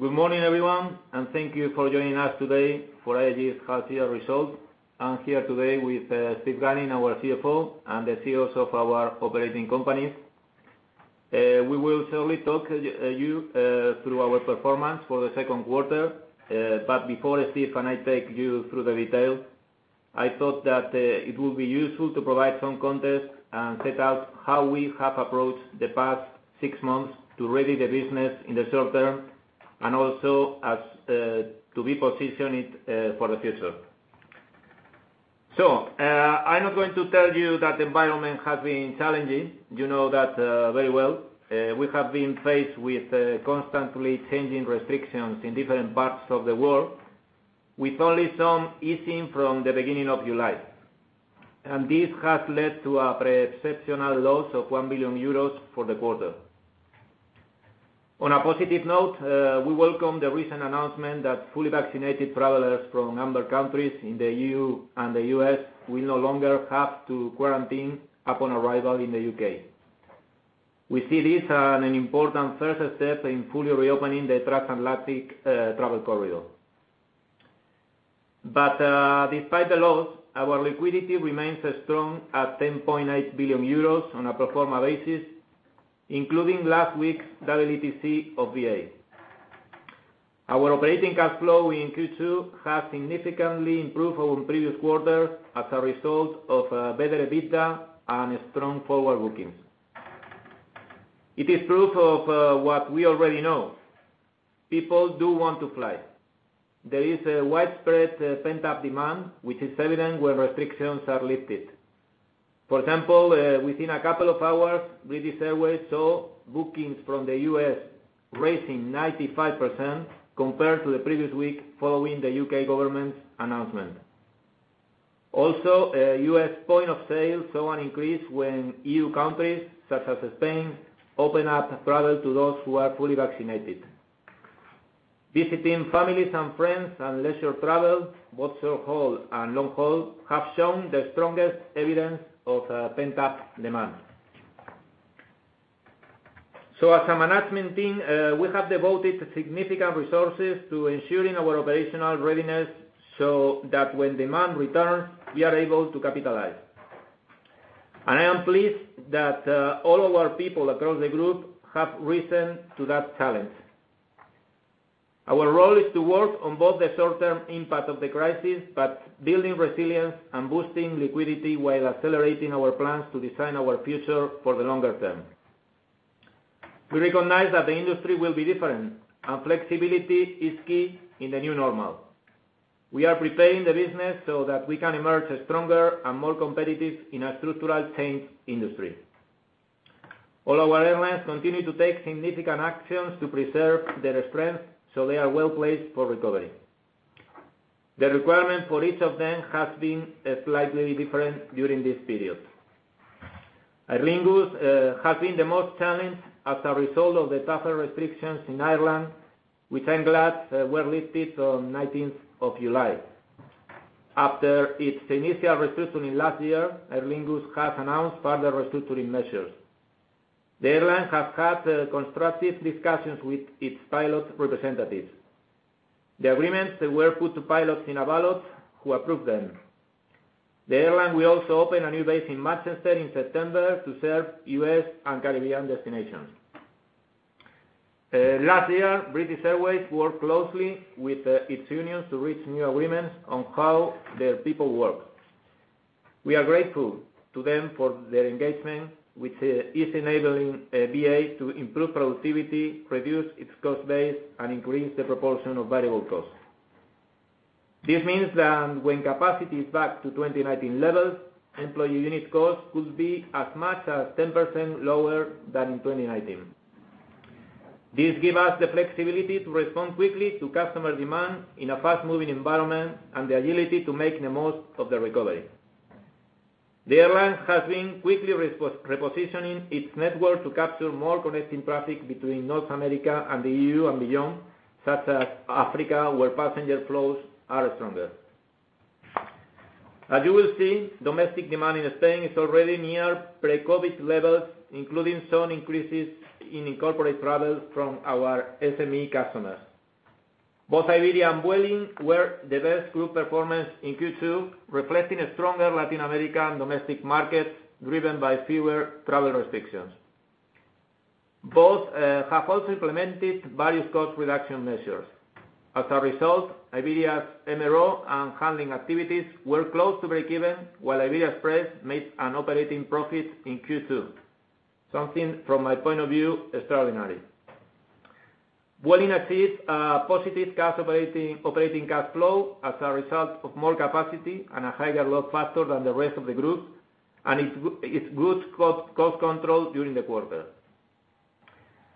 Good morning, everyone. Thank you for joining us today for IAG's half year results. I'm here today with Steve Gunning, our CFO, and the CEOs of our operating companies. We will shortly talk you through our performance for the second quarter. Before Steve and I take you through the details, I thought that it would be useful to provide some context and set out how we have approached the past six months to ready the business in the short term, and also to be positioned for the future. I'm not going to tell you that the environment has been challenging. You know that very well. We have been faced with constantly changing restrictions in different parts of the world, with only some easing from the beginning of July. This has led to a pre-exceptional loss of 1 billion euros for the quarter. On a positive note, we welcome the recent announcement that fully vaccinated travelers from amber countries in the EU and the U.S. will no longer have to quarantine upon arrival in the U.K. We see this as an important first step in fully reopening the transatlantic travel corridor. Despite the loss, our liquidity remains strong at 10.8 billion euros on a pro forma basis, including last week's double EETC of BA. Our operating cash flow in Q2 has significantly improved from previous quarters as a result of better EBITDA and strong forward bookings. It is proof of what we already know. People do want to fly. There is a widespread pent-up demand, which is evident when restrictions are lifted. For example, within a couple of hours, British Airways saw bookings from the U.S. raising 95% compared to the previous week following the U.K. government's announcement. Also, U.S. point of sale saw an increase when EU countries, such as Spain, opened up travel to those who are fully vaccinated. Visiting families and friends and leisure travel, both short-haul and long-haul, have shown the strongest evidence of pent-up demand. As a management team, we have devoted significant resources to ensuring our operational readiness, so that when demand returns, we are able to capitalize. I am pleased that all of our people across the group have risen to that challenge. Our role is to work on both the short-term impact of the crisis, but building resilience and boosting liquidity while accelerating our plans to design our future for the longer term. We recognize that the industry will be different, and flexibility is key in the new normal. We are preparing the business so that we can emerge stronger and more competitive in a structural changed industry. All our airlines continue to take significant actions to preserve their strength so they are well-placed for recovery. The requirement for each of them has been slightly different during this period. Aer Lingus has been the most challenged as a result of the tougher restrictions in Ireland, which I'm glad were lifted on 19th of July. After its initial restructuring last year, Aer Lingus has announced further restructuring measures. The airline has had constructive discussions with its pilot representatives. The agreements were put to pilots in a ballot who approved them. The airline will also open a new base in Manchester in September to serve U.S. and Caribbean destinations. Last year, British Airways worked closely with its unions to reach new agreements on how their people work. We are grateful to them for their engagement, which is enabling BA to improve productivity, reduce its cost base, and increase the proportion of variable costs. This means that when capacity is back to 2019 levels, employee unit cost could be as much as 10% lower than in 2019. This give us the flexibility to respond quickly to customer demand in a fast-moving environment and the agility to make the most of the recovery. The airline has been quickly repositioning its network to capture more connecting traffic between North America and the EU and beyond, such as Africa, where passenger flows are stronger. As you will see, domestic demand in Spain is already near pre-COVID levels, including some increases in corporate travel from our SME customers. Both Iberia and Vueling were the best group performance in Q2, reflecting a stronger Latin American domestic market driven by fewer travel restrictions. Both have also implemented various cost reduction measures. As a result, Iberia's MRO and handling activities were close to break even, while Iberia Express made an operating profit in Q2. Something from my point of view, extraordinary. Vueling achieved a positive operating cash flow as a result of more capacity and a higher load factor than the rest of the group, and its good cost control during the quarter.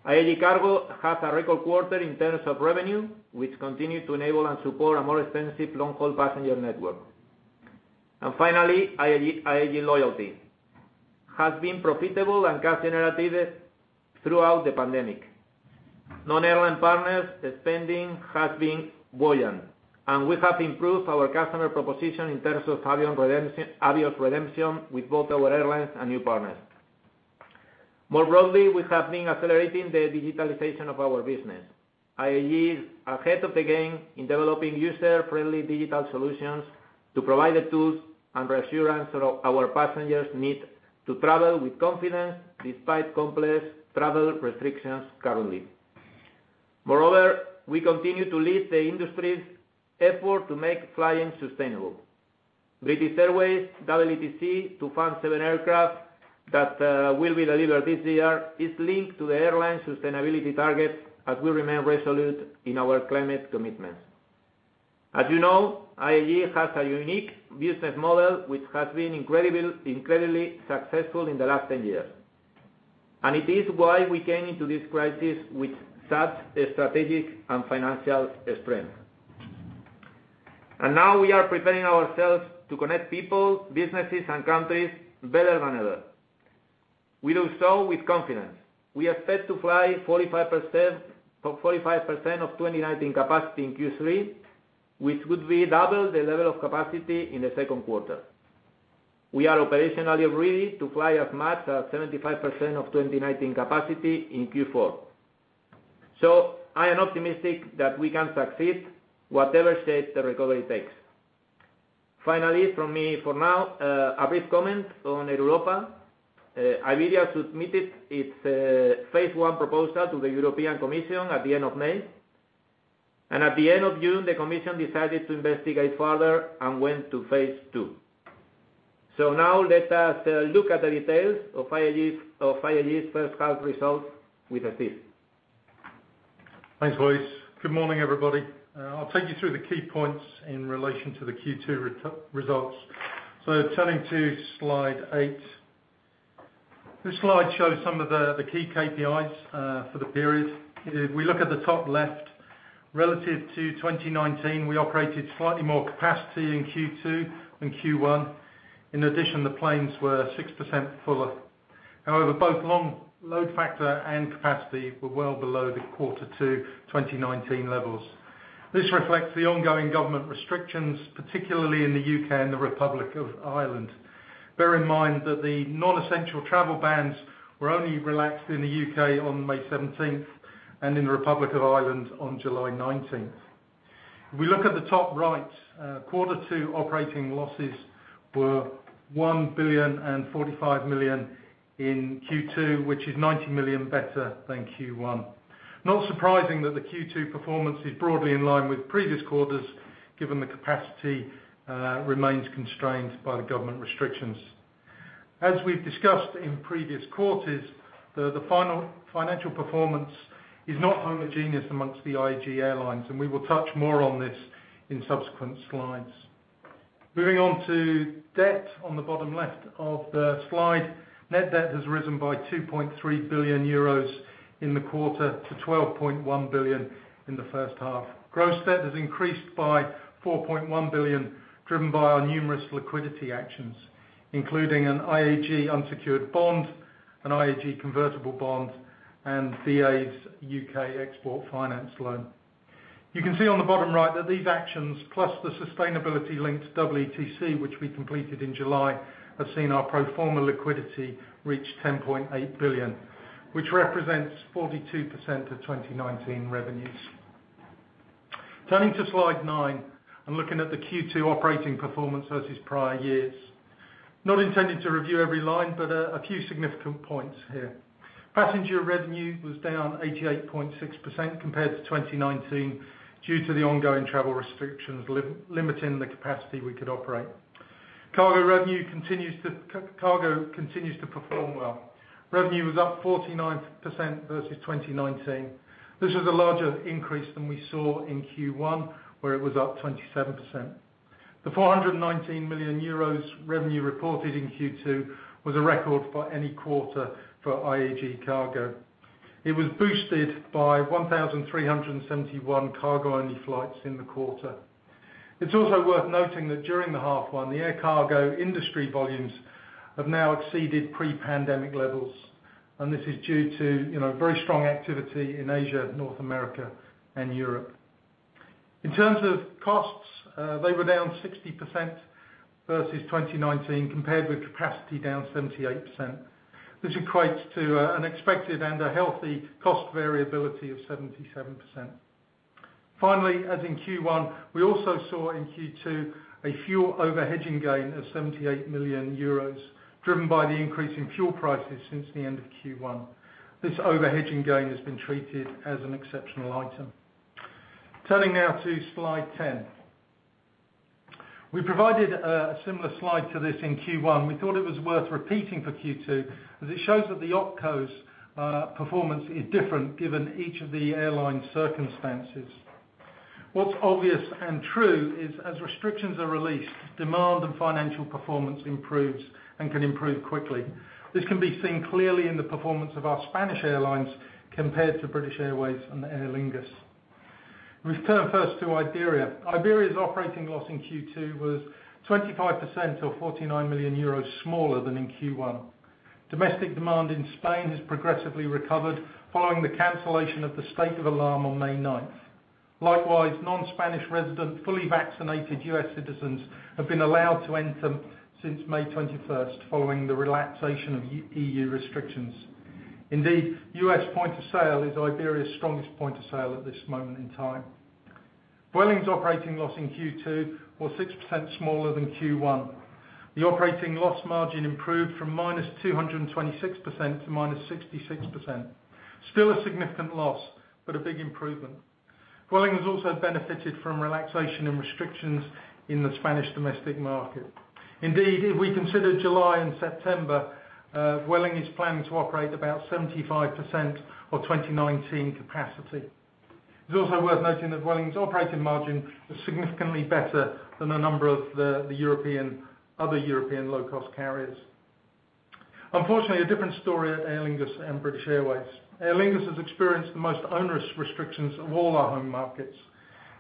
IAG Cargo had a record quarter in terms of revenue, which continued to enable and support a more extensive long-haul passenger network. Finally, IAG Loyalty has been profitable and cash generative throughout the pandemic. Non-airline partners' spending has been buoyant, and we have improved our customer proposition in terms of Avios redemption with both our airlines and new partners. More broadly, we have been accelerating the digitalization of our business. IAG is ahead of the game in developing user-friendly digital solutions to provide the tools and reassurance that our passengers need to travel with confidence despite complex travel restrictions currently. Moreover, we continue to lead the industry's effort to make flying sustainable. British Airways' EETC to fund seven aircraft that will be delivered this year is linked to the airline's sustainability targets, as we remain resolute in our climate commitments. As you know, IAG has a unique business model, which has been incredibly successful in the last 10 years. It is why we came into this crisis with such strategic and financial strength. Now we are preparing ourselves to connect people, businesses, and countries better than ever. We do so with confidence. We expect to fly 45% of 2019 capacity in Q3, which would be double the level of capacity in the second quarter. We are operationally ready to fly as much as 75% of 2019 capacity in Q4. I am optimistic that we can succeed whatever shape the recovery takes. Finally from me for now, a brief comment on Air Europa. Iberia submitted its phase 1 proposal to the European Commission at the end of May. At the end of June, the Commission decided to investigate further and went to phase 2. Now let us look at the details of IAG's first half results with Steve. Thanks, Luis. Good morning, everybody. I'll take you through the key points in relation to the Q2 results. Turning to slide eight. This slide shows some of the key KPIs for the period. If we look at the top left, relative to 2019, we operated slightly more capacity in Q2 than Q1. In addition, the planes were 6% fuller. However, both load factor and capacity were well below the quarter 2 2019 levels. This reflects the ongoing government restrictions particularly in the U.K. and the Republic of Ireland. Bear in mind that the non-essential travel bans were only relaxed in the U.K. on May 17th and in the Republic of Ireland on July 19th. If we look at the top right, quarter 2 operating losses were 1,045 million in Q2, which is 90 million better than Q1. Not surprising that the Q2 performance is broadly in line with previous quarters, given the capacity remains constrained by the government restrictions. As we've discussed in previous quarters, the financial performance is not homogeneous amongst the IAG airlines, and we will touch more on this in subsequent slides. Moving on to debt on the bottom left of the slide. Net debt has risen by 2.3 billion euros in the quarter to 12.1 billion in the first half. Gross debt has increased by 4.1 billion, driven by our numerous liquidity actions, including an IAG unsecured bond, an IAG convertible bond, and BA's UK Export Finance loan. You can see on the bottom right that these actions, plus the sustainability-linked EETC, which we completed in July, have seen our pro forma liquidity reach 10.8 billion, which represents 42% of 2019 revenues. Turning to slide nine and looking at the Q2 operating performance versus prior years. Not intending to review every line, but a few significant points here. Passenger revenue was down 88.6% compared to 2019 due to the ongoing travel restrictions limiting the capacity we could operate. Cargo continues to perform well. Revenue was up 49% versus 2019. This is a larger increase than we saw in Q1, where it was up 27%. The 419 million euros revenue reported in Q2 was a record for any quarter for IAG Cargo. It was boosted by 1,371 cargo-only flights in the quarter. It's also worth noting that during the half one, the air cargo industry volumes have now exceeded pre-pandemic levels, and this is due to very strong activity in Asia, North America, and Europe. In terms of costs, they were down 60% versus 2019, compared with capacity down 78%. This equates to an expected and a healthy cost variability of 77%. As in Q1, we also saw in Q2 a fuel over-hedging gain of 78 million euros, driven by the increase in fuel prices since the end of Q1. This over-hedging gain has been treated as an exceptional item. Turning now to slide 10. We provided a similar slide to this in Q1. We thought it was worth repeating for Q2 as it shows that the opco's performance is different given each of the airline's circumstances. What's obvious and true is as restrictions are released, demand and financial performance improves and can improve quickly. This can be seen clearly in the performance of our Spanish airlines compared to British Airways and Aer Lingus. We turn first to Iberia. Iberia's operating loss in Q2 was 25%, or 49 million euros smaller than in Q1. Domestic demand in Spain has progressively recovered following the cancellation of the state of alarm on May 9th. Likewise, non-Spanish resident, fully vaccinated U.S. citizens have been allowed to enter since May 21st, following the relaxation of EU restrictions. Indeed, U.S. point of sale is Iberia's strongest point of sale at this moment in time. Vueling's operating loss in Q2 was 6% smaller than Q1. The operating loss margin improved from -226% to -66%. Still a significant loss, but a big improvement. Vueling has also benefited from relaxation and restrictions in the Spanish domestic market. Indeed, if we consider July and September, Vueling is planning to operate about 75% of 2019 capacity. It's also worth noting that Vueling's operating margin is significantly better than a number of the other European low-cost carriers. Unfortunately, a different story at Aer Lingus and British Airways. Aer Lingus has experienced the most onerous restrictions of all our home markets.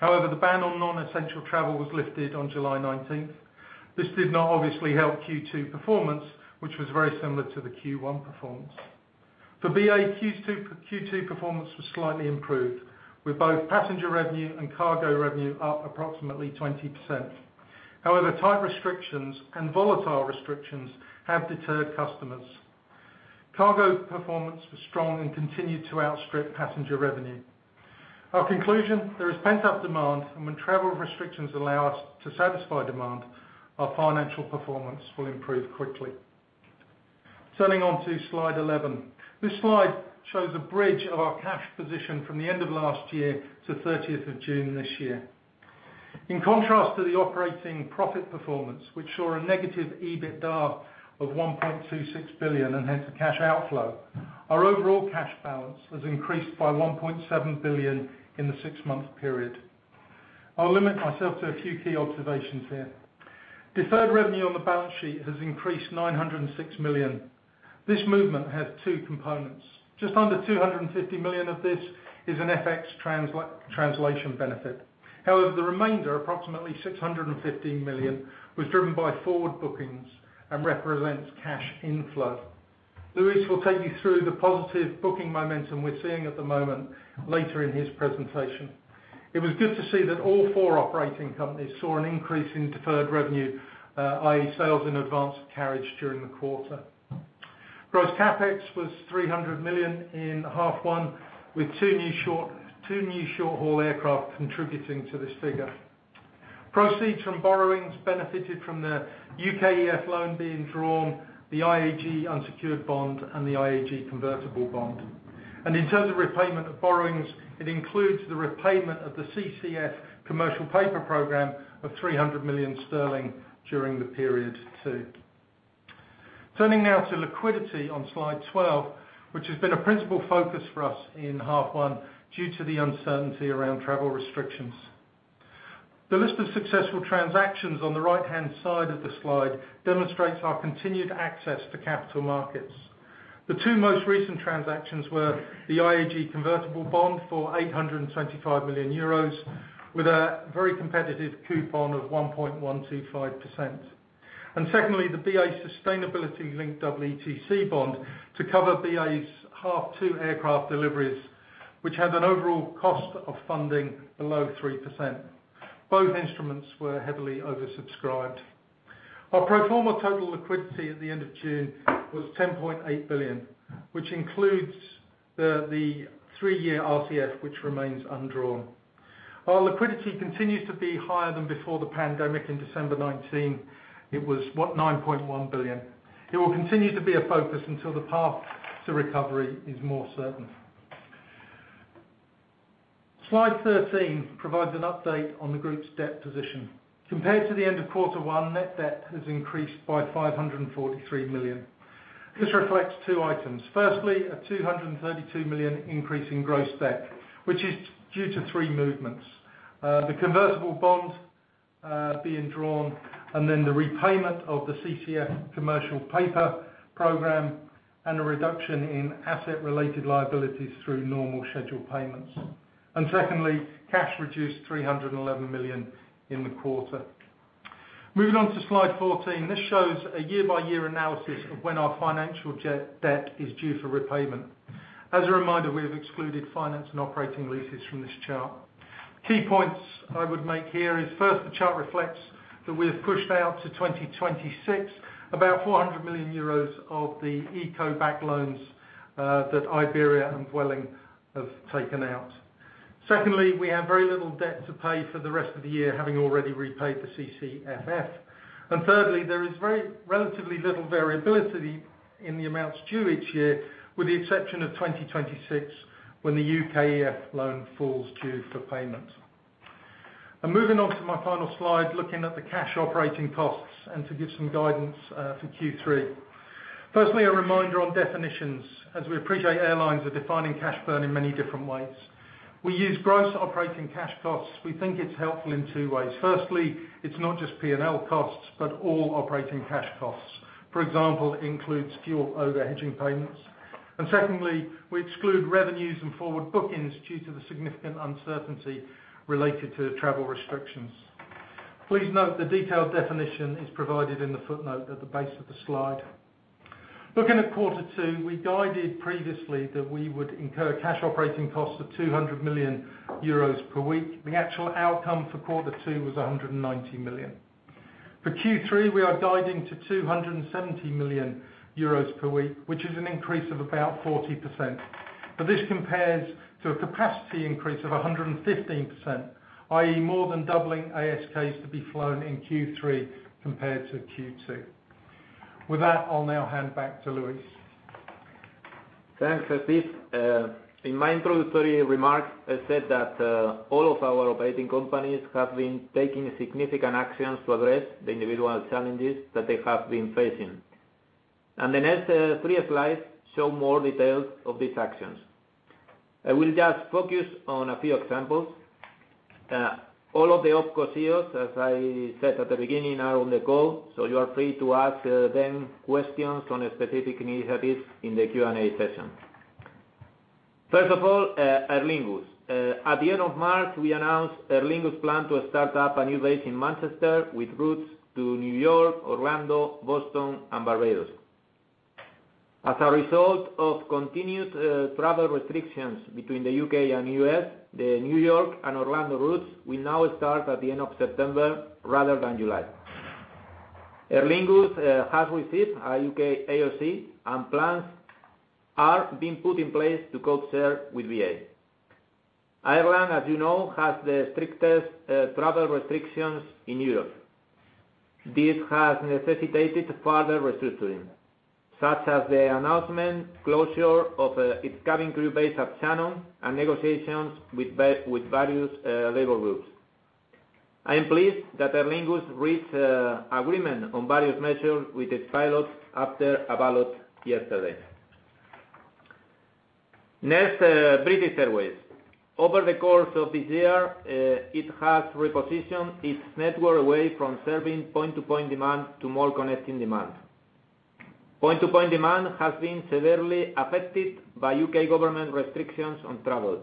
However, the ban on non-essential travel was lifted on July 19th. This did not obviously help Q2 performance, which was very similar to the Q1 performance. For BA, Q2 performance was slightly improved, with both passenger revenue and cargo revenue up approximately 20%. However, tight restrictions and volatile restrictions have deterred customers. Cargo performance was strong and continued to outstrip passenger revenue. Our conclusion, there is pent-up demand, and when travel restrictions allow us to satisfy demand, our financial performance will improve quickly. Turning on to slide 11. This slide shows a bridge of our cash position from the end of last year to 30th of June this year. In contrast to the operating profit performance, which saw a negative EBITDA of 1.26 billion and hence a cash outflow, our overall cash balance has increased by 1.7 billion in the six-month period. I'll limit myself to a few key observations here. Deferred revenue on the balance sheet has increased 906 million. This movement has two components. Just under 250 million of this is an FX translation benefit. However, the remainder, approximately 615 million, was driven by forward bookings and represents cash inflow. Luis will take you through the positive booking momentum we're seeing at the moment later in his presentation. It was good to see that all four operating companies saw an increase in deferred revenue, i.e. sales in advance of carriage during the quarter. Gross CapEx was 300 million in half one, with two new short-haul aircraft contributing to this figure. Proceeds from borrowings benefited from the UK EF loan being drawn, the IAG unsecured bond, and the IAG convertible bond. In terms of repayment of borrowings, it includes the repayment of the CCFF commercial paper program of 300 million sterling during the period too. Turning now to liquidity on slide 12, which has been a principal focus for us in half one due to the uncertainty around travel restrictions. The list of successful transactions on the right-hand side of the slide demonstrates our continued access to capital markets. The two most recent transactions were the IAG convertible bond for 825 million euros, with a very competitive coupon of 1.125%. Secondly, the BA sustainability-linked double EETC bond to cover BA's half two aircraft deliveries, which had an overall cost of funding below 3%. Both instruments were heavily oversubscribed. Our pro forma total liquidity at the end of June was 10.8 billion, which includes the three-year RCF, which remains undrawn. Our liquidity continues to be higher than before the pandemic in December 2019. It was 9.1 billion. It will continue to be a focus until the path to recovery is more certain. Slide 13 provides an update on the group's debt position. Compared to the end of quarter 1, net debt has increased by 543 million. This reflects two items. Firstly, a 232 million increase in gross debt, which is due to three movements. The convertible bond being drawn, the repayment of the CCFF commercial paper program, a reduction in asset-related liabilities through normal scheduled payments. Secondly, cash reduced 311 million in the quarter. Moving on to slide 14. This shows a year-by-year analysis of when our financial debt is due for repayment. As a reminder, we have excluded finance and operating leases from this chart. Key points I would make here is first, the chart reflects that we have pushed out to 2026 about 400 million euros of the ICO-backed loans that Iberia and Vueling have taken out. Secondly, we have very little debt to pay for the rest of the year, having already repaid the CCFF. Thirdly, there is relatively little variability in the amounts due each year, with the exception of 2026, when the UK EF loan falls due for payment. Moving on to my final slide, looking at the cash operating costs and to give some guidance for Q3. Firstly, a reminder on definitions, as we appreciate airlines are defining cash burn in many different ways. We use gross operating cash costs. We think it's helpful in two ways. Firstly, it's not just P&L costs, but all operating cash costs. For example, includes fuel over-hedging payments. Secondly, we exclude revenues and forward bookings due to the significant uncertainty related to travel restrictions. Please note the detailed definition is provided in the footnote at the base of the slide. Looking at quarter two, we guided previously that we would incur cash operating costs of 200 million euros per week. The actual outcome for quarter two was 190 million. For Q3, we are guiding to 270 million euros per week, which is an increase of about 40%. This compares to a capacity increase of 115%, i.e., more than doubling ASKs to be flown in Q3 compared to Q2. With that, I'll now hand back to Luis. Thanks, Steve. In my introductory remarks, I said that all of our operating companies have been taking significant actions to address the individual challenges that they have been facing. The next three slides show more details of these actions. I will just focus on a few examples. All of the opco CEOs, as I said at the beginning, are on the call, so you are free to ask them questions on specific initiatives in the Q&A session. First of all, Aer Lingus. At the end of March, we announced Aer Lingus' plan to start up a new base in Manchester with routes to New York, Orlando, Boston, and Barbados. As a result of continued travel restrictions between the U.K. and U.S., the New York and Orlando routes will now start at the end of September rather than July. Aer Lingus has received a U.K. AOC, plans are being put in place to codeshare with BA. Ireland, as you know, has the strictest travel restrictions in Europe. This has necessitated further restructuring, such as the announcement closure of its cabin crew base at Shannon and negotiations with various labor groups. I am pleased that Aer Lingus reached agreement on various measures with its pilots after a ballot yesterday. Next, British Airways. Over the course of this year, it has repositioned its network away from serving point-to-point demand to more connecting demand. Point-to-point demand has been severely affected by U.K. government restrictions on travel.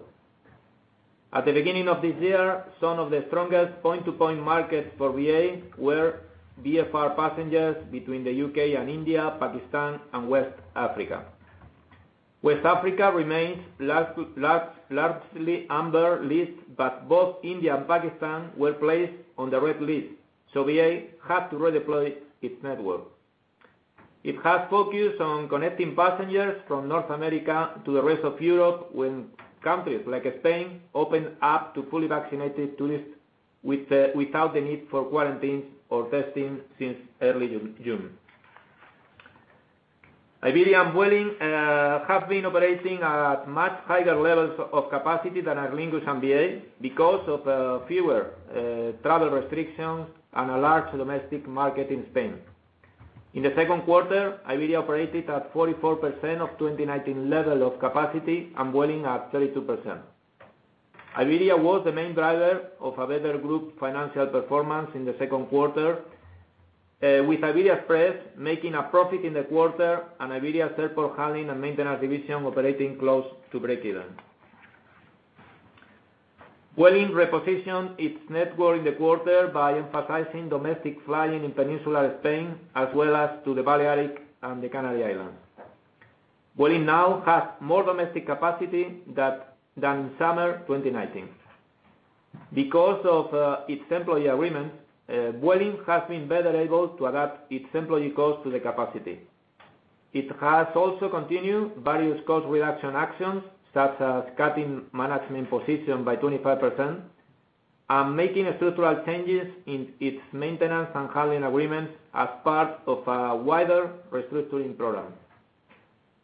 At the beginning of this year, some of the strongest point-to-point markets for BA were VFR passengers between the U.K. and India, Pakistan, and West Africa. West Africa remains largely amber list, both India and Pakistan were placed on the red list. BA had to redeploy its network. It has focused on connecting passengers from North America to the rest of Europe when countries like Spain opened up to fully vaccinated tourists without the need for quarantines or testing since early June. Iberia and Vueling have been operating at much higher levels of capacity than Aer Lingus and BA because of fewer travel restrictions and a large domestic market in Spain. In the second quarter, Iberia operated at 44% of 2019 level of capacity, and Vueling at 32%. Iberia was the main driver of a better group financial performance in the second quarter, with Iberia Express making a profit in the quarter and Iberia Airport Handling and Maintenance division operating close to break even. Vueling repositioned its network in the quarter by emphasizing domestic flying in peninsular Spain as well as to the Balearic and the Canary Islands. Vueling now has more domestic capacity than in summer 2019. Because of its employee agreement, Vueling has been better able to adapt its employee cost to the capacity. It has also continued various cost reduction actions, such as cutting management position by 25% and making structural changes in its maintenance and handling agreements as part of a wider restructuring program.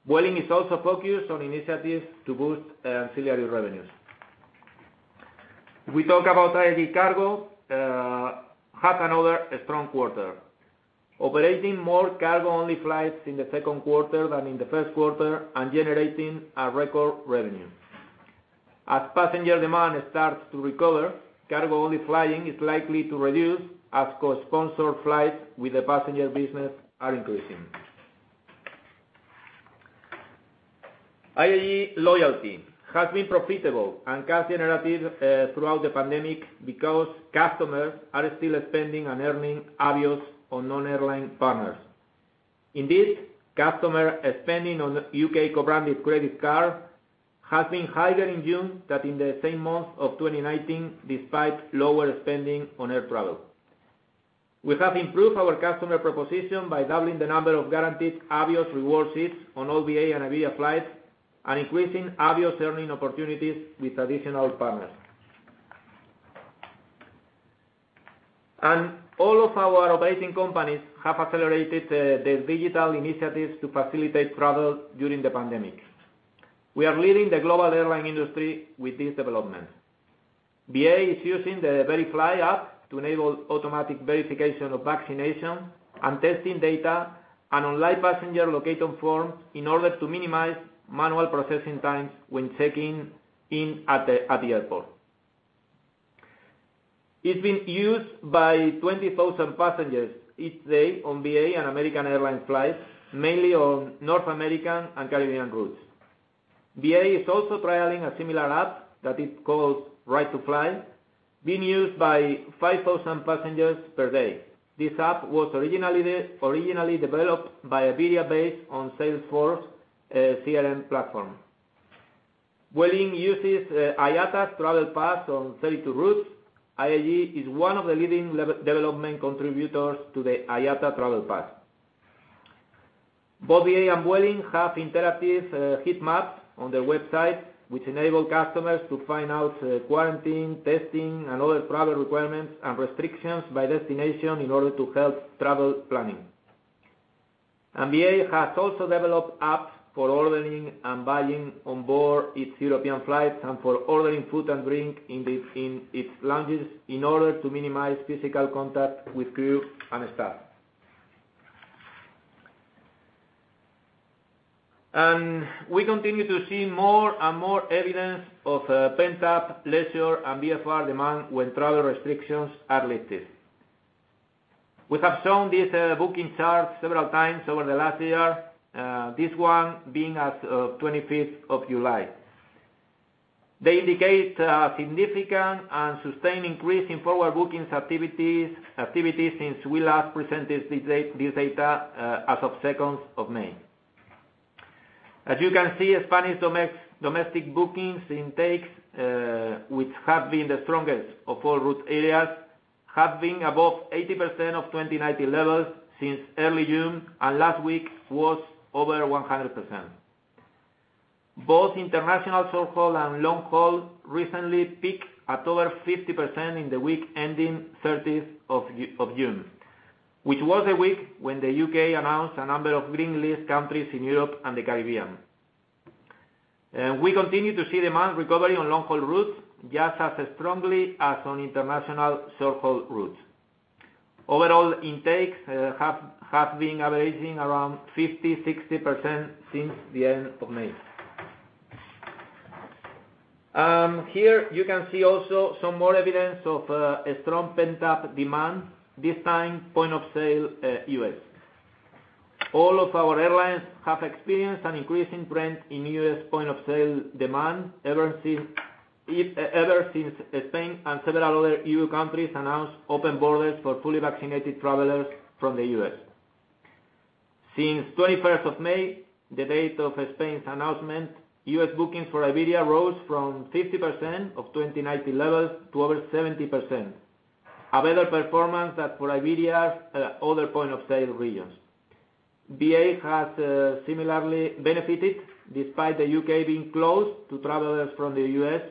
Vueling is also focused on initiatives to boost ancillary revenues. We talk about IAG Cargo had another strong quarter, operating more cargo-only flights in the second quarter than in the first quarter and generating a record revenue. As passenger demand starts to recover, cargo-only flying is likely to reduce as co-sponsored flights with the passenger business are increasing. IAG Loyalty has been profitable and cash generative throughout the pandemic because customers are still spending and earning Avios on non-airline partners. Indeed, customer spending on U.K. co-branded credit card has been higher in June than in the same month of 2019, despite lower spending on air travel. We have improved our customer proposition by doubling the number of guaranteed Avios reward seats on all BA and Iberia flights and increasing Avios earning opportunities with additional partners. All of our operating companies have accelerated their digital initiatives to facilitate travel during the pandemic. We are leading the global airline industry with this development. BA is using the VeriFLY app to enable automatic verification of vaccination and testing data and online passenger location forms in order to minimize manual processing times when checking in at the airport. It's been used by 20,000 passengers each day on BA and American Airlines flights, mainly on North American and Caribbean routes. BA is also trialing a similar app that it calls Ready to Fly, being used by 5,000 passengers per day. This app was originally developed by Iberia, based on Salesforce CRM platform. Vueling uses IATA Travel Pass on 32 routes. IAG is one of the leading development contributors to the IATA Travel Pass. Both BA and Vueling have interactive heat maps on their website, which enable customers to find out quarantine, testing, and other travel requirements and restrictions by destination in order to help travel planning. BA has also developed apps for ordering and buying on board its European flights, and for ordering food and drink in its lounges in order to minimize physical contact with crew and staff. We continue to see more and more evidence of pent-up leisure and VFR demand when travel restrictions are lifted. We have shown this booking chart several times over the last year, this one being as of 25th of July. They indicate a significant and sustained increase in forward bookings activities since we last presented this data as of 2nd of May. As you can see, Spanish domestic bookings intakes, which have been the strongest of all route areas, have been above 80% of 2019 levels since early June, and last week was over 100%. Both international short-haul and long-haul recently peaked at over 50% in the week ending 30th of June, which was the week when the U.K. announced a number of green list countries in Europe and the Caribbean. We continue to see demand recovery on long-haul routes just as strongly as on international short-haul routes. Overall intakes have been averaging around 50%-60% since the end of May. Here you can see also some more evidence of a strong pent-up demand, this time point-of-sale U.S. All of our airlines have experienced an increasing trend in U.S. point-of-sale demand ever since Spain and several other EU countries announced open borders for fully vaccinated travelers from the U.S. Since 21st of May, the date of Spain's announcement, U.S. booking for Iberia rose from 50% of 2019 levels to over 70%, a better performance than for Iberia's other point-of-sale regions. BA has similarly benefited despite the U.K. being closed to travelers from the U.S.,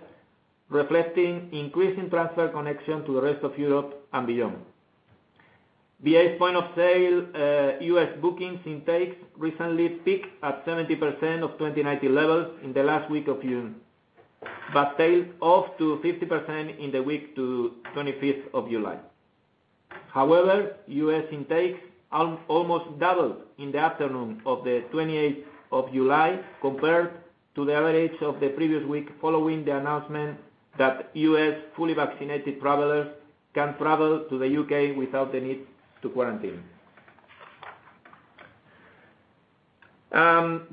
reflecting increasing transfer connection to the rest of Europe and beyond. BA's point-of-sale U.S. bookings intakes recently peaked at 70% of 2019 levels in the last week of June, but tailed off to 50% in the week to 25th of July. U.S. intakes almost doubled in the afternoon of the 28th of July compared to the average of the previous week following the announcement that U.S. fully vaccinated travelers can travel to the U.K. without the need to quarantine.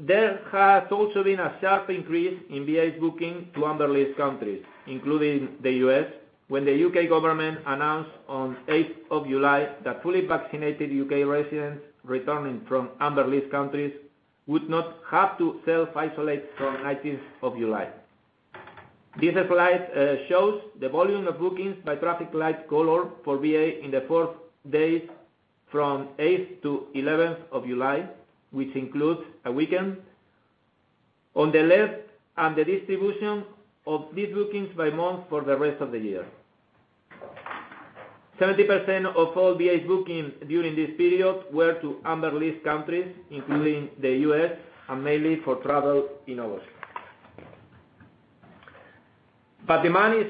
There has also been a sharp increase in BA's booking to amber list countries, including the U.S., when the U.K. government announced on 8th of July that fully vaccinated U.K. residents returning from amber list countries would not have to self-isolate from 19th of July. This slide shows the volume of bookings by traffic light color for BA in the four days from 8th to 11th of July, which includes a weekend. On the left are the distribution of these bookings by month for the rest of the year. 70% of all BA's bookings during this period were to amber list countries, including the U.S., and mainly for travel in August. Demand is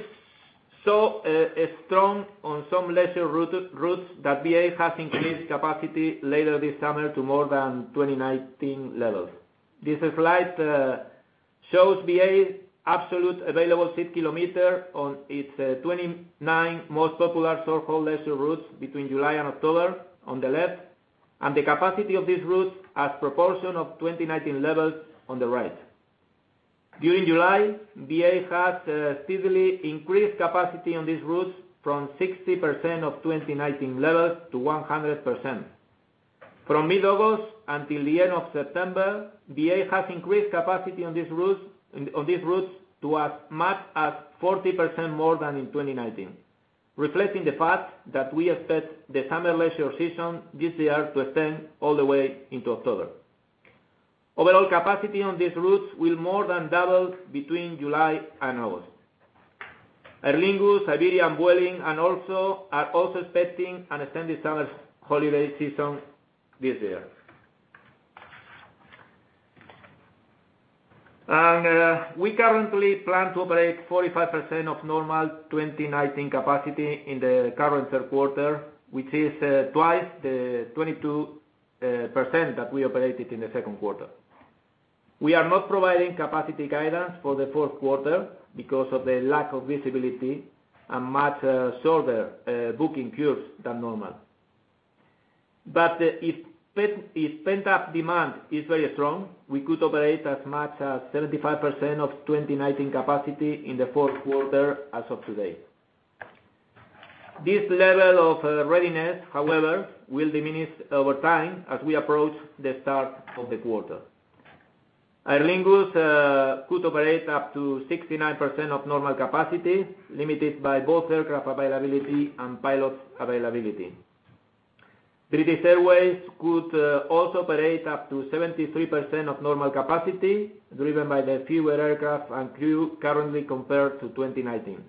so strong on some leisure routes that BA has increased capacity later this summer to more than 2019 levels. This slide shows BA absolute available seat kilometer on its 29 most popular short-haul leisure routes between July and October on the left, and the capacity of these routes as proportion of 2019 levels on the right. During July, BA has steadily increased capacity on these routes from 60% of 2019 levels to 100%. From mid-August until the end of September, BA has increased capacity on these routes to as much as 40% more than in 2019, reflecting the fact that we expect the summer leisure season this year to extend all the way into October. Overall capacity on these routes will more than double between July and August. Aer Lingus, Iberia, and Vueling are also expecting an extended summer holiday season this year. We currently plan to operate 45% of normal 2019 capacity in the current third quarter, which is twice the 22% that we operated in the second quarter. We are not providing capacity guidance for the fourth quarter because of the lack of visibility and much shorter booking curves than normal. If pent-up demand is very strong, we could operate as much as 75% of 2019 capacity in the fourth quarter as of today. This level of readiness, however, will diminish over time as we approach the start of the quarter. Aer Lingus could operate up to 69% of normal capacity, limited by both aircraft availability and pilot availability. British Airways could also operate up to 73% of normal capacity, driven by the fewer aircraft and crew currently compared to 2019.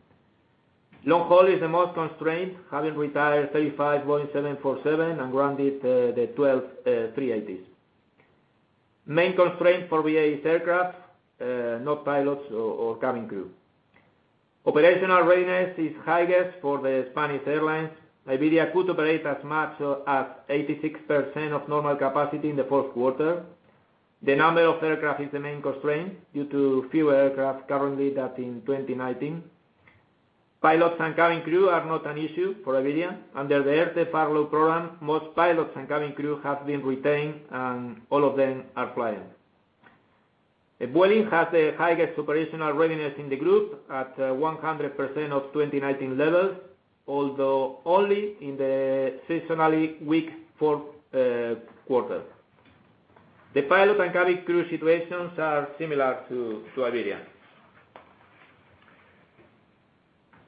Long-haul is the most constrained, having retired 35 Boeing 747 and grounded the 12 380s. Main constraint for BA is aircraft, not pilots or cabin crew. Operational readiness is highest for the Spanish airlines. Iberia could operate as much as 86% of normal capacity in the fourth quarter. The number of aircraft is the main constraint due to fewer aircraft currently than in 2019. Pilots and cabin crew are not an issue for Iberia. Under the ERTE furlough program, most pilots and cabin crew have been retained and all of them are flying. Vueling has the highest operational readiness in the group at 100% of 2019 levels, although only in the seasonally weak fourth quarter. The pilot and cabin crew situations are similar to Iberia.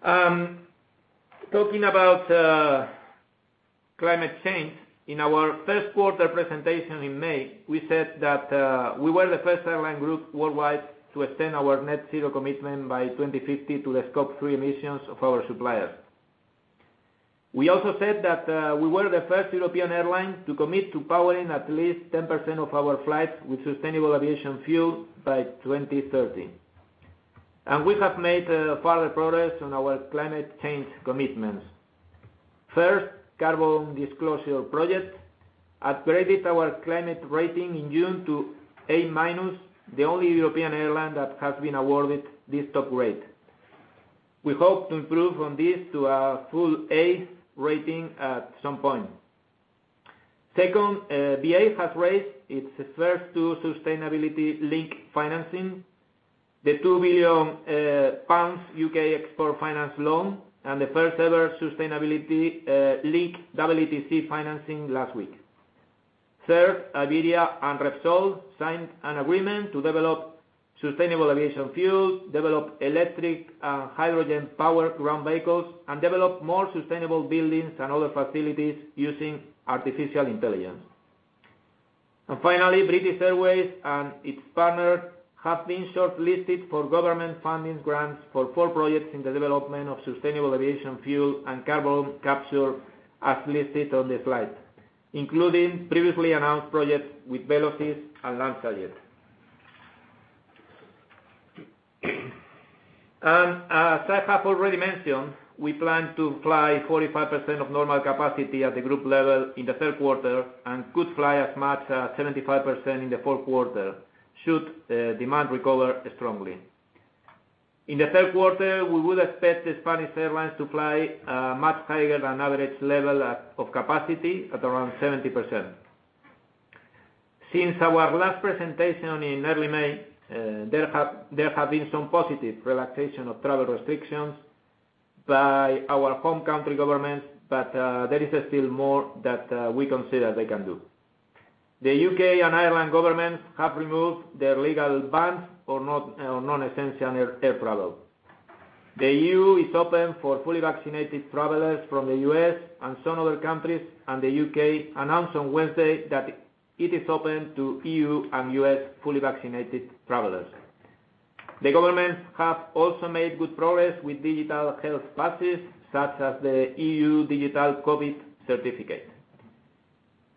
Talking about climate change, in our first quarter presentation in May, we said that we were the first airline group worldwide to extend our net zero commitment by 2050 to the scope 3 emissions of our suppliers. We also said that we were the first European airline to commit to powering at least 10% of our flights with sustainable aviation fuel by 2030. We have made further progress on our climate change commitments. First, Carbon Disclosure Project upgraded our climate rating in June to A-, the only European airline that has been awarded this top grade. We hope to improve on this to a full A rating at some point. Second, BA has raised its first two sustainability-linked financing, the 2 billion pounds UK Export Finance loan, and the first-ever sustainability-linked EETC financing last week. Third, Iberia and Repsol signed an agreement to develop sustainable aviation fuel, develop electric and hydrogen-powered ground vehicles, and develop more sustainable buildings and other facilities using artificial intelligence. Finally, British Airways and its partner have been shortlisted for government funding grants for four projects in the development of sustainable aviation fuel and carbon capture, as listed on the slide, including previously announced projects with Velocys and LanzaJet. As I have already mentioned, we plan to fly 45% of normal capacity at the group level in the third quarter and could fly as much as 75% in the fourth quarter should demand recover strongly. In the third quarter, we would expect the Spanish airlines to fly a much higher than average level of capacity at around 70%. Since our last presentation in early May, there have been some positive relaxation of travel restrictions by our home country governments, but there is still more that we consider they can do. The U.K. and Ireland governments have removed their legal bans on non-essential air travel. The EU is open for fully vaccinated travelers from the U.S. and some other countries. The U.K. announced on Wednesday that it is open to EU and U.S. fully vaccinated travelers. The governments have also made good progress with digital health passes, such as the EU Digital COVID Certificate.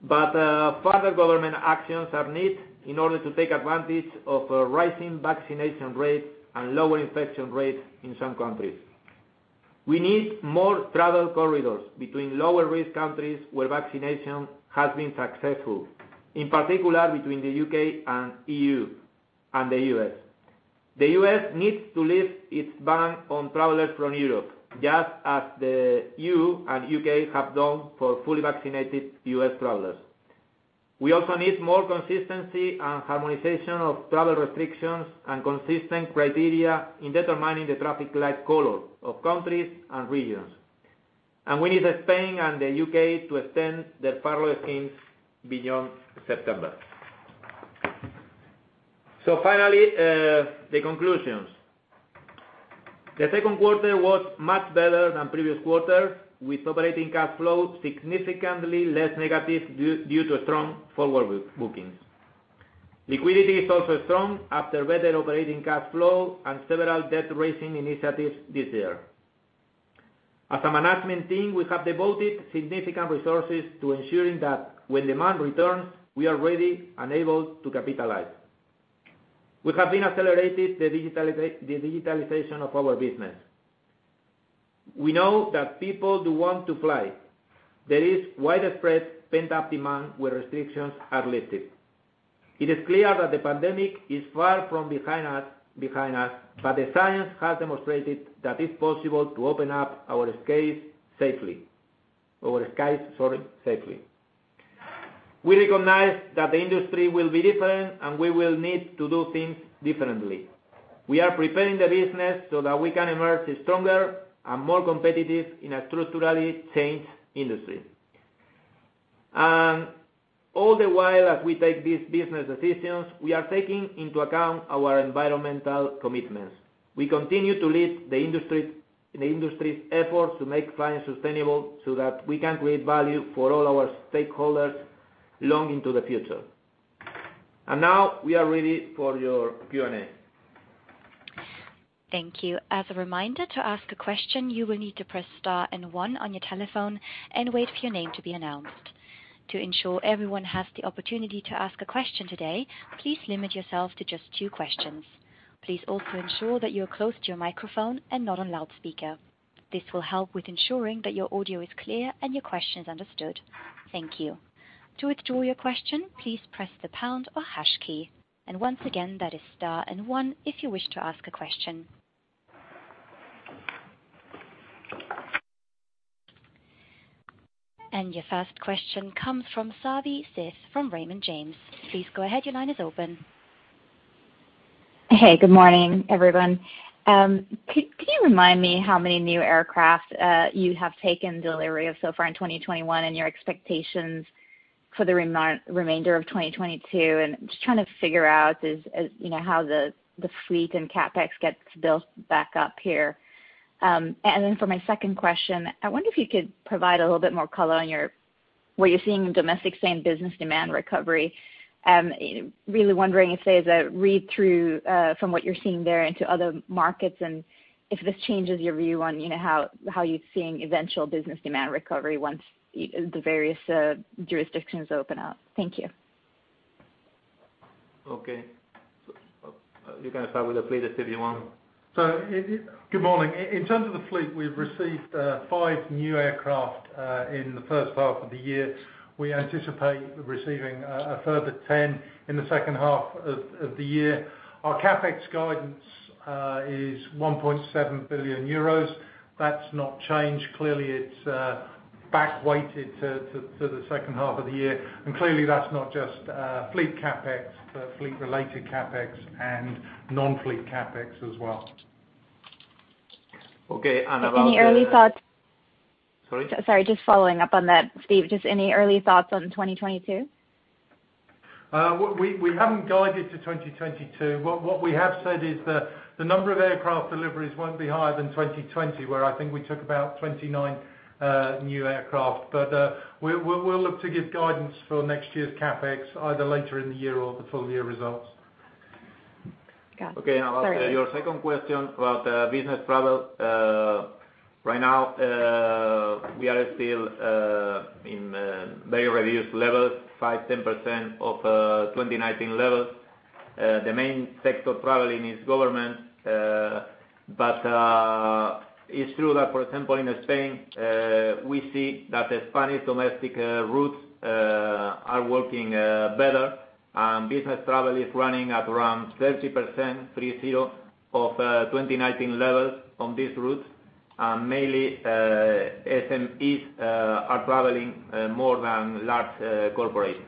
Further government actions are needed in order to take advantage of rising vaccination rates and lower infection rates in some countries. We need more travel corridors between lower-risk countries where vaccination has been successful, in particular between the U.K. and EU and the U.S. The U.S. needs to lift its ban on travelers from Europe, just as the EU and U.K. have done for fully vaccinated U.S. travelers. We also need more consistency and harmonization of travel restrictions and consistent criteria in determining the traffic light color of countries and regions. We need Spain and the U.K. to extend their furlough schemes beyond September. Finally, the conclusions. The second quarter was much better than previous quarters, with operating cash flow significantly less negative due to strong forward bookings. Liquidity is also strong after better operating cash flow and several debt-raising initiatives this year. As a management team, we have devoted significant resources to ensuring that when demand returns, we are ready and able to capitalize. We have been accelerating the digitalization of our business. We know that people do want to fly. There is widespread pent-up demand where restrictions are lifted. It is clear that the pandemic is far from behind us, the science has demonstrated that it's possible to open up our skies safely. We recognize that the industry will be different, and we will need to do things differently. We are preparing the business so that we can emerge stronger and more competitive in a structurally changed industry. All the while as we take these business decisions, we are taking into account our environmental commitments. We continue to lead the industry's efforts to make flying sustainable so that we can create value for all our stakeholders long into the future. Now, we are ready for your Q&A. Thank you. As a reminder, to ask a question, you will need to press star and one on your telephone and wait for your name to be announced. To ensure everyone has the opportunity to ask a question today, please limit yourself to just two questions. Please also ensure that you are close to your microphone and not on loudspeaker. This will help with ensuring that your audio is clear and your question is understood. Thank you. To withdraw your question, please press the pound or hash key. Once again, that is star and one if you wish to ask a question. Your first question comes from Savanthi Syth from Raymond James. Please go ahead. Your line is open. Hey. Good morning, everyone. Could you remind me how many new aircraft you have taken delivery of so far in 2021 and your expectations for the remainder of 2022? Just trying to figure out how the fleet and CapEx gets built back up here. For my second question, I wonder if you could provide a little bit more color on what you're seeing in domestic same business demand recovery. Really wondering if there's a read-through from what you're seeing there into other markets, and if this changes your view on how you're seeing eventual business demand recovery once the various jurisdictions open up. Thank you. Okay. You can start with the fleet if you want. Good morning. In terms of the fleet, we've received five new aircraft in the first half of the year. We anticipate receiving a further 10 in the second half of the year. Our CapEx guidance is 1.7 billion euros. That's not changed. Clearly it's back weighted to the second half of the year. Clearly that's not just fleet CapEx, but fleet-related CapEx and non-fleet CapEx as well. Okay. Any early thoughts? Sorry? Sorry, just following up on that, Steve. Just any early thoughts on 2022? We haven't guided to 2022. What we have said is the number of aircraft deliveries won't be higher than 2020, where I think we took about 29 new aircraft. We'll look to give guidance for next year's CapEx either later in the year or the full-year results. Got it. Sorry. Okay. About your second question about business travel. Right now, we are still in very reduced levels, 5%-10% of 2019 levels. The main sector traveling is government. It's true that, for example, in Spain, we see that the Spanish domestic routes are working better, and business travel is running at around 30% of 2019 levels on these routes. Mainly, SMEs are traveling more than large corporations.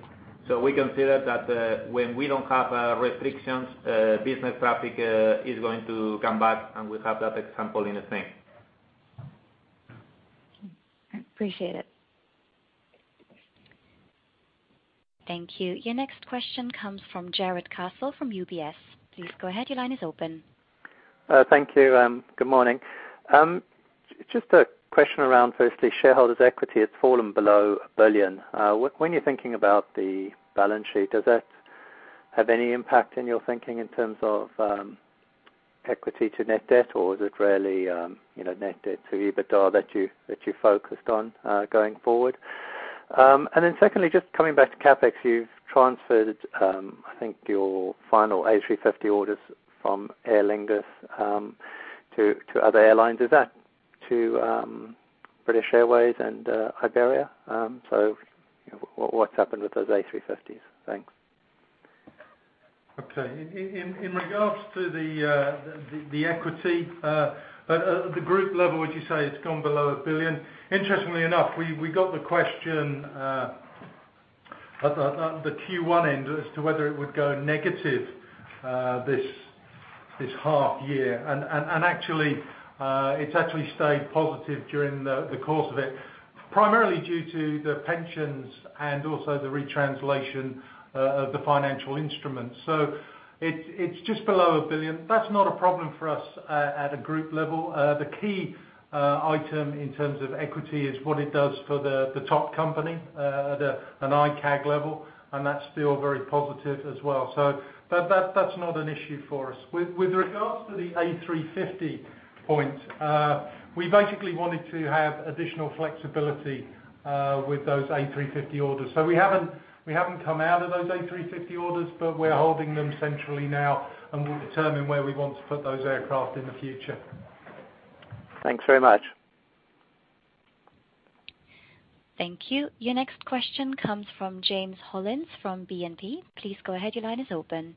We consider that when we don't have restrictions, business traffic is going to come back, and we have that example in Spain. I appreciate it. Thank you. Your next question comes from Jarrod Castle from UBS. Please go ahead. Your line is open. Thank you. Good morning. Just a question around, firstly, shareholders' equity. It's fallen below 1 billion. When you're thinking about the balance sheet, does that have any impact in your thinking in terms of equity to net debt, or is it really net debt to EBITDA that you focused on going forward? Then secondly, just coming back to CapEx, you've transferred, I think, your final A350 orders from Aer Lingus to other airlines. Is that to British Airways and Iberia? What's happened with those A350s? Thanks. Okay. In regards to the equity, at the group level, would you say it's gone below 1 billion? Interestingly enough, we got the question at the Q1 end as to whether it would go negative this half year. It's actually stayed positive during the course of it, primarily due to the pensions and also the retranslation of the financial instruments. It's just below 1 billion. That's not a problem for us at a group level. The key item in terms of equity is what it does for the top company at an IAG level, and that's still very positive as well. That's not an issue for us. With regards to the A350 point, we basically wanted to have additional flexibility with those A350 orders. We haven't come out of those A350 orders, but we're holding them centrally now, and we'll determine where we want to put those aircraft in the future. Thanks very much. Thank you. Your next question comes from James Hollins from BNP. Please go ahead. Your line is open.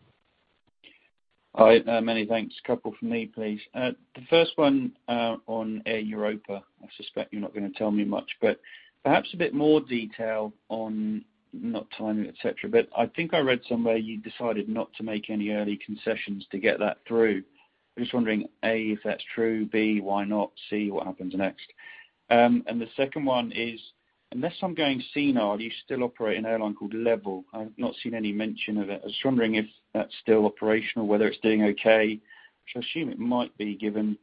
Hi. Many thanks. Couple from me, please. The first one on Air Europa. I suspect you're not going to tell me much, but perhaps a bit more detail on not timing, et cetera, but I think I read somewhere you decided not to make any early concessions to get that through. I'm just wondering, A, if that's true, B, why not, C, what happens next? The second one is, unless I'm going senile, you still operate an airline called LEVEL. I've not seen any mention of it. I was wondering if that's still operational, whether it's doing okay. Which I assume it might be given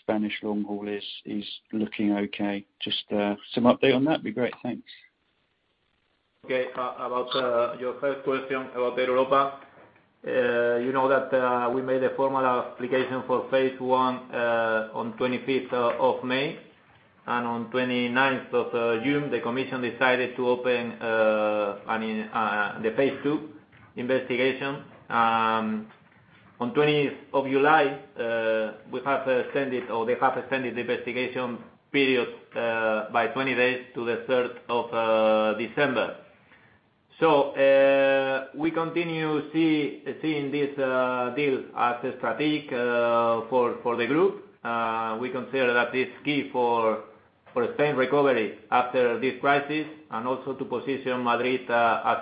Spanish long haul is looking okay. Just some update on that'd be great. Thanks. Okay. About your first question about Air Europa. You know that we made a formal application for phase one on 25th of May. On 29th of June, the Commission decided to open the phase two investigation. On 20th of July, we have extended, or they have extended the investigation period by 20 days to the 3rd of December. We continue seeing this deal as strategic for the group. We consider that it's key for Spain recovery after this crisis and also to position Madrid as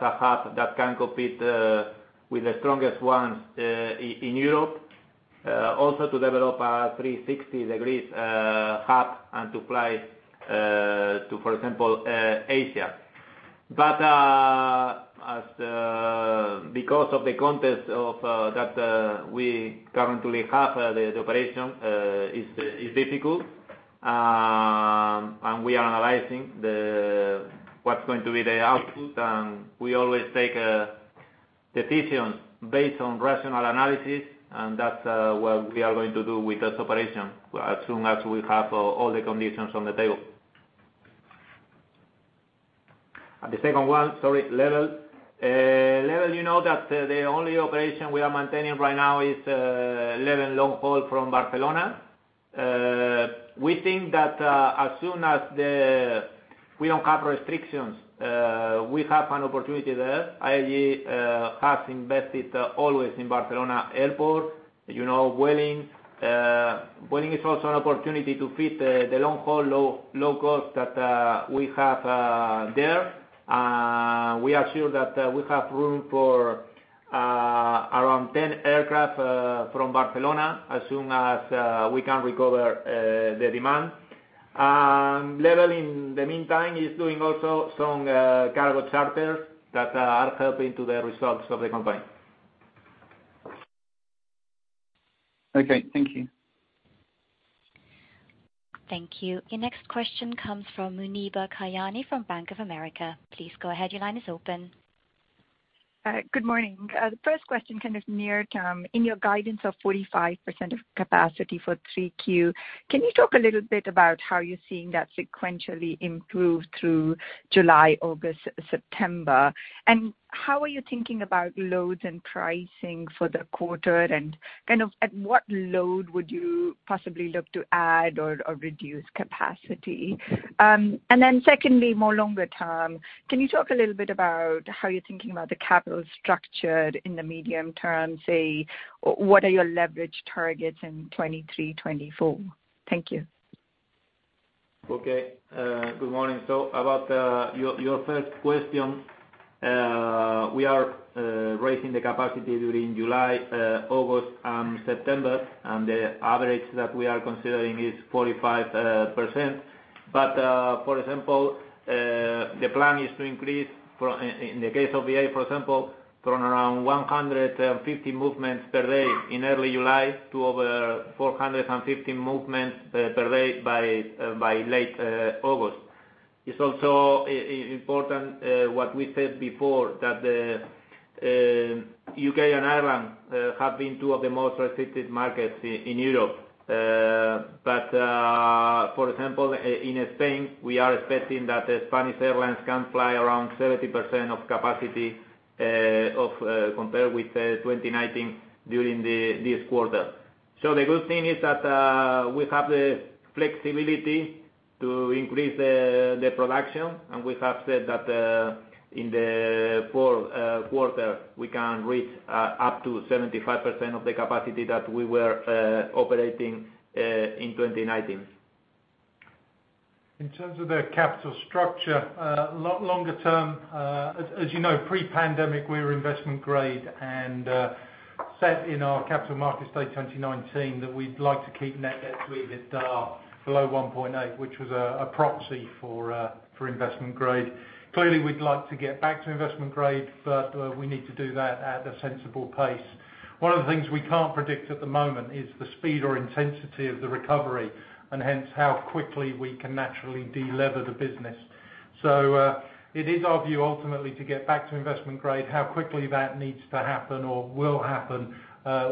a hub that can compete with the strongest ones in Europe. Also to develop a 360 degrees hub and to fly to, for example Asia. Because of the context of that we currently have, the operation is difficult. We are analyzing what is going to be the output, and we always take decisions based on rational analysis and that is what we are going to do with this operation, as soon as we have all the conditions on the table. The second one, sorry, LEVEL. LEVEL, you know that the only operation we are maintaining right now is LEVEL long haul from Barcelona. We think that as soon as we do not have restrictions, we have an opportunity there. IAG has invested always in Barcelona Airport. Vueling is also an opportunity to fit the long haul, low cost that we have there. We are sure that we have room for around 10 aircraft from Barcelona as soon as we can recover the demand. LEVEL, in the meantime, is doing also some cargo charters that are helping to the results of the company. Okay. Thank you. Thank you. Your next question comes from Muneeba Kayani from Bank of America. Please go ahead. Your line is open. Good morning. The first question, near term, in your guidance of 45% of capacity for 3Q, can you talk a little bit about how you're seeing that sequentially improve through July, August, September, how are you thinking about loads and pricing for the quarter and at what load would you possibly look to add or reduce capacity? Secondly, more longer term, can you talk a little bit about how you're thinking about the capital structure in the medium term, say, what are your leverage targets in 2023, 2024? Thank you. Okay. Good morning. About your first question, we are raising the capacity during July, August, and September, and the average that we are considering is 45%. For example, the plan is to increase in the case of Iberia, for example, from around 150 movements per day in early July to over 450 movements per day by late August. It's also important, what we said before, that U.K. and Ireland have been two of the most restricted markets in Europe. For example, in Spain, we are expecting that Spanish airlines can fly around 70% of capacity compared with 2019 during this quarter. The good thing is that we have the flexibility to increase the production, and we have said that in the fourth quarter, we can reach up to 75% of the capacity that we were operating in 2019. In terms of the capital structure, a lot longer term, as you know, pre-pandemic, we were investment grade and set in our Capital Market Day 2019 that we'd like to keep net debt to EBITDA below 1.8, which was a proxy for investment grade. Clearly, we'd like to get back to investment grade, but we need to do that at a sensible pace. One of the things we can't predict at the moment is the speed or intensity of the recovery, and hence how quickly we can naturally de-lever the business. It is our view ultimately to get back to investment grade. How quickly that needs to happen or will happen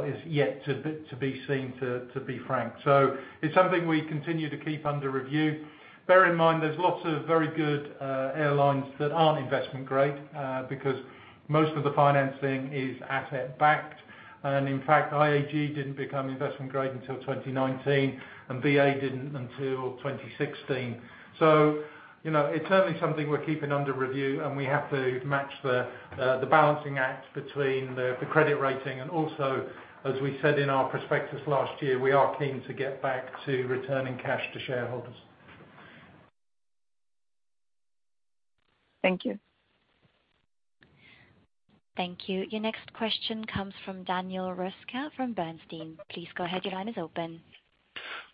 is yet to be seen, to be frank. It's something we continue to keep under review. Bear in mind, there's lots of very good airlines that aren't investment grade, because most of the financing is asset backed. In fact, IAG didn't become investment grade until 2019, and BA didn't until 2016. It's certainly something we're keeping under review and we have to match the balancing act between the credit rating and also, as we said in our prospectus last year, we are keen to get back to returning cash to shareholders. Thank you. Thank you. Your next question comes from Daniel Roeska from Bernstein. Please go ahead. Your line is open.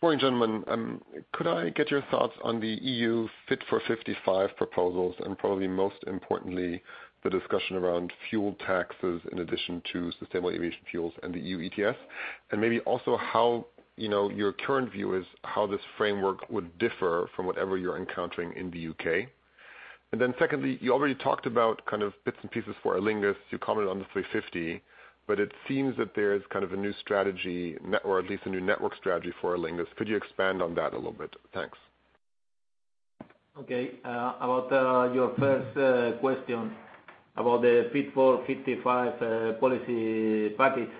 Morning, gentlemen. Could I get your thoughts on the EU Fit for 55 proposals, probably most importantly, the discussion around fuel taxes in addition to sustainable aviation fuels and the EU ETS, maybe also your current view is how this framework would differ from whatever you're encountering in the U.K. Secondly, you already talked about kind of bits and pieces for Aer Lingus. You commented on the 350, but it seems that there is kind of a new strategy, or at least a new network strategy for Aer Lingus. Could you expand on that a little bit? Thanks. Okay. About your first question about the Fit for 55 policy package.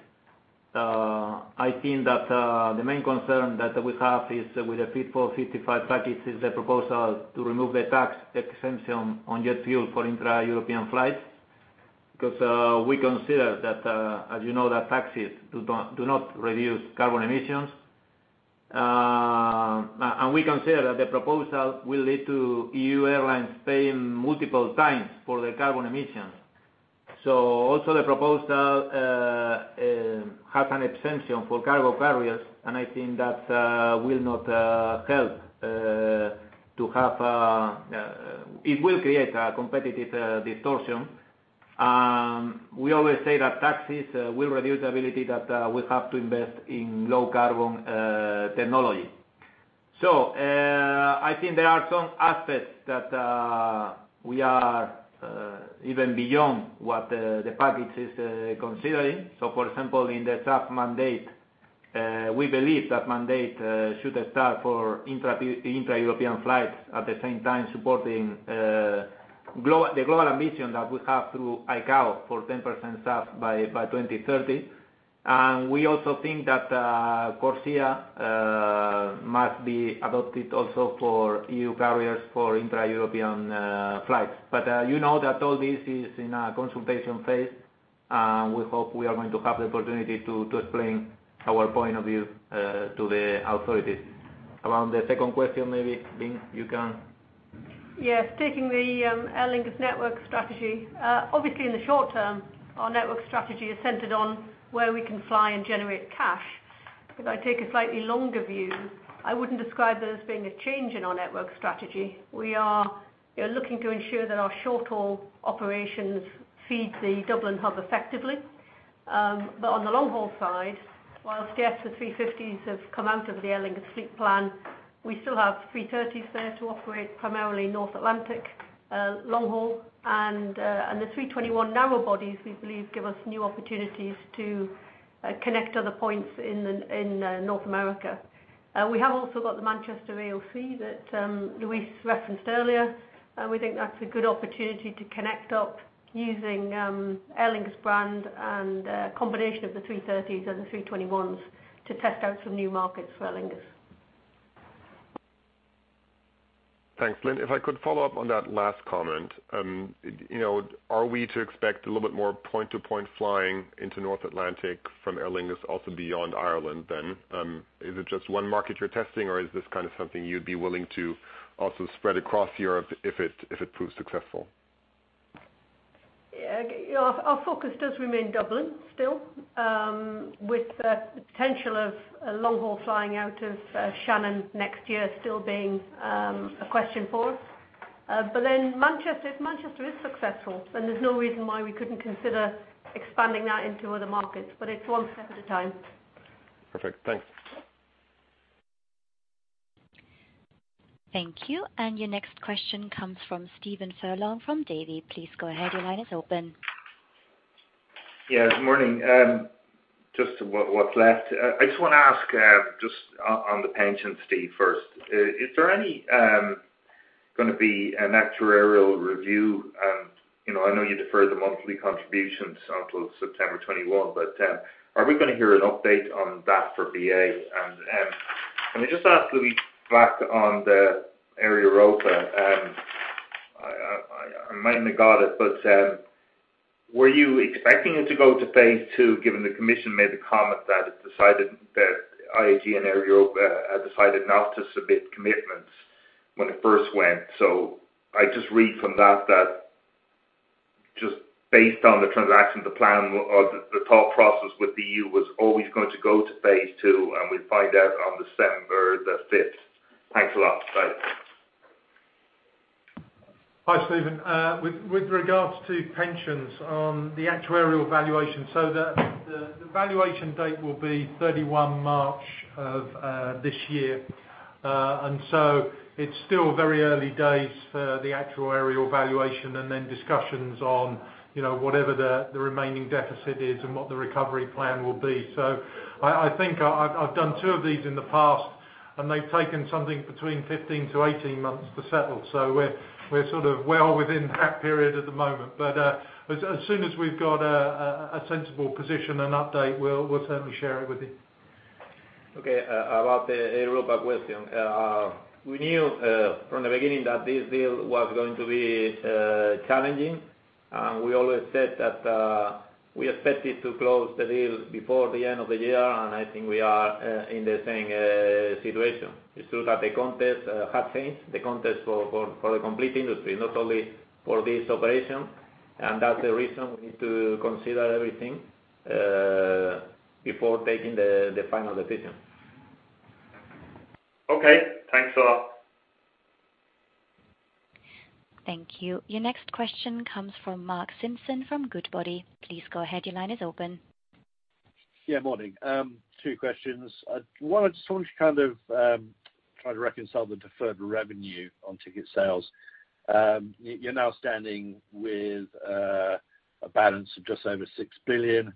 I think that the main concern that we have is with the Fit for 55 package is the proposal to remove the tax exemption on jet fuel for intra-European flights. We consider that, as you know, that taxes do not reduce carbon emissions. We consider that the proposal will lead to EU airlines paying multiple times for the carbon emissions. Also the proposal has an exemption for cargo carriers, and I think that it will create a competitive distortion. We always say that taxes will reduce the ability that we have to invest in low carbon technology. I think there are some aspects that we are even beyond what the package is considering. For example, in the SAF mandate, we believe that mandate should start for intra-European flights at the same time supporting the global ambition that we have through ICAO for 10% SAF by 2030. We also think that CORSIA must be adopted also for EU carriers for intra-European flights. You know that all this is in a consultation phase, and we hope we are going to have the opportunity to explain our point of view to the authorities. Around the second question, maybe, Lynne, you can. Yes. Taking the Aer Lingus network strategy. Obviously, in the short term, our network strategy is centered on where we can fly and generate cash. If I take a slightly longer view, I wouldn't describe there as being a change in our network strategy. On the long haul side, whilst yes, the 350s have come out of the Aer Lingus fleet plan, we still have 330s there to operate primarily North Atlantic, long haul, and the 321 narrow bodies, we believe give us new opportunities to connect other points in North America. We have also got the Manchester AOC that Luis referenced earlier. We think that's a good opportunity to connect up using Aer Lingus brand and a combination of the 330s and the 321s to test out some new markets for Aer Lingus. Thanks, Lynne. If I could follow up on that last comment. Are we to expect a little bit more point-to-point flying into North Atlantic from Aer Lingus also beyond Ireland then? Is it just one market you're testing, or is this kind of something you'd be willing to also spread across Europe if it proves successful? Our focus does remain Dublin still, with the potential of long-haul flying out of Shannon next year still being a question for us. If Manchester is successful, then there's no reason why we couldn't consider expanding that into other markets, but it's one step at a time. Perfect. Thanks. Thank you. Your next question comes from Stephen Furlong from Davy. Please go ahead. Your line is open. Yeah, good morning. Just what's left. I just want to ask, just on the pension, Steve, first. Is there any going to be an actuarial review? I know you deferred the monthly contributions until September 2021. Are we going to hear an update on that for BA? Can I just ask Luis, back on the Aer Lingus. I mainly got it. Were you expecting it to go to phase 2 given the Commission made the comment that IAG and Aer Lingus had decided not to submit commitments when it first went? I just read from that, just based on the transaction, the plan or the thought process with the EU was always going to go to phase 2, and we'd find out on December 5th. Thanks a lot. Bye. Hi, Stephen. With regards to pensions, on the actuarial valuation, the valuation date will be 31 March of this year. It's still very early days for the actuarial valuation then discussions on whatever the remaining deficit is and what the recovery plan will be. I think I've done two of these in the past, and they've taken something between 15 to 18 months to settle. We're sort of well within that period at the moment. As soon as we've got a sensible position and update, we'll certainly share it with you. Okay. About the Aer Lingus question. We knew from the beginning that this deal was going to be challenging. We always said that we expected to close the deal before the end of the year. I think we are in the same situation. It's true that the context has changed, the context for the complete industry, not only for this operation. That's the reason we need to consider everything before taking the final decision. Okay. Thanks a lot. Thank you. Your next question comes from Mark Simpson from Goodbody. Please go ahead. Your line is open. Morning. Two questions. One, I just wanted to try to reconcile the deferred revenue on ticket sales. You're now standing with a balance of just over 6 billion.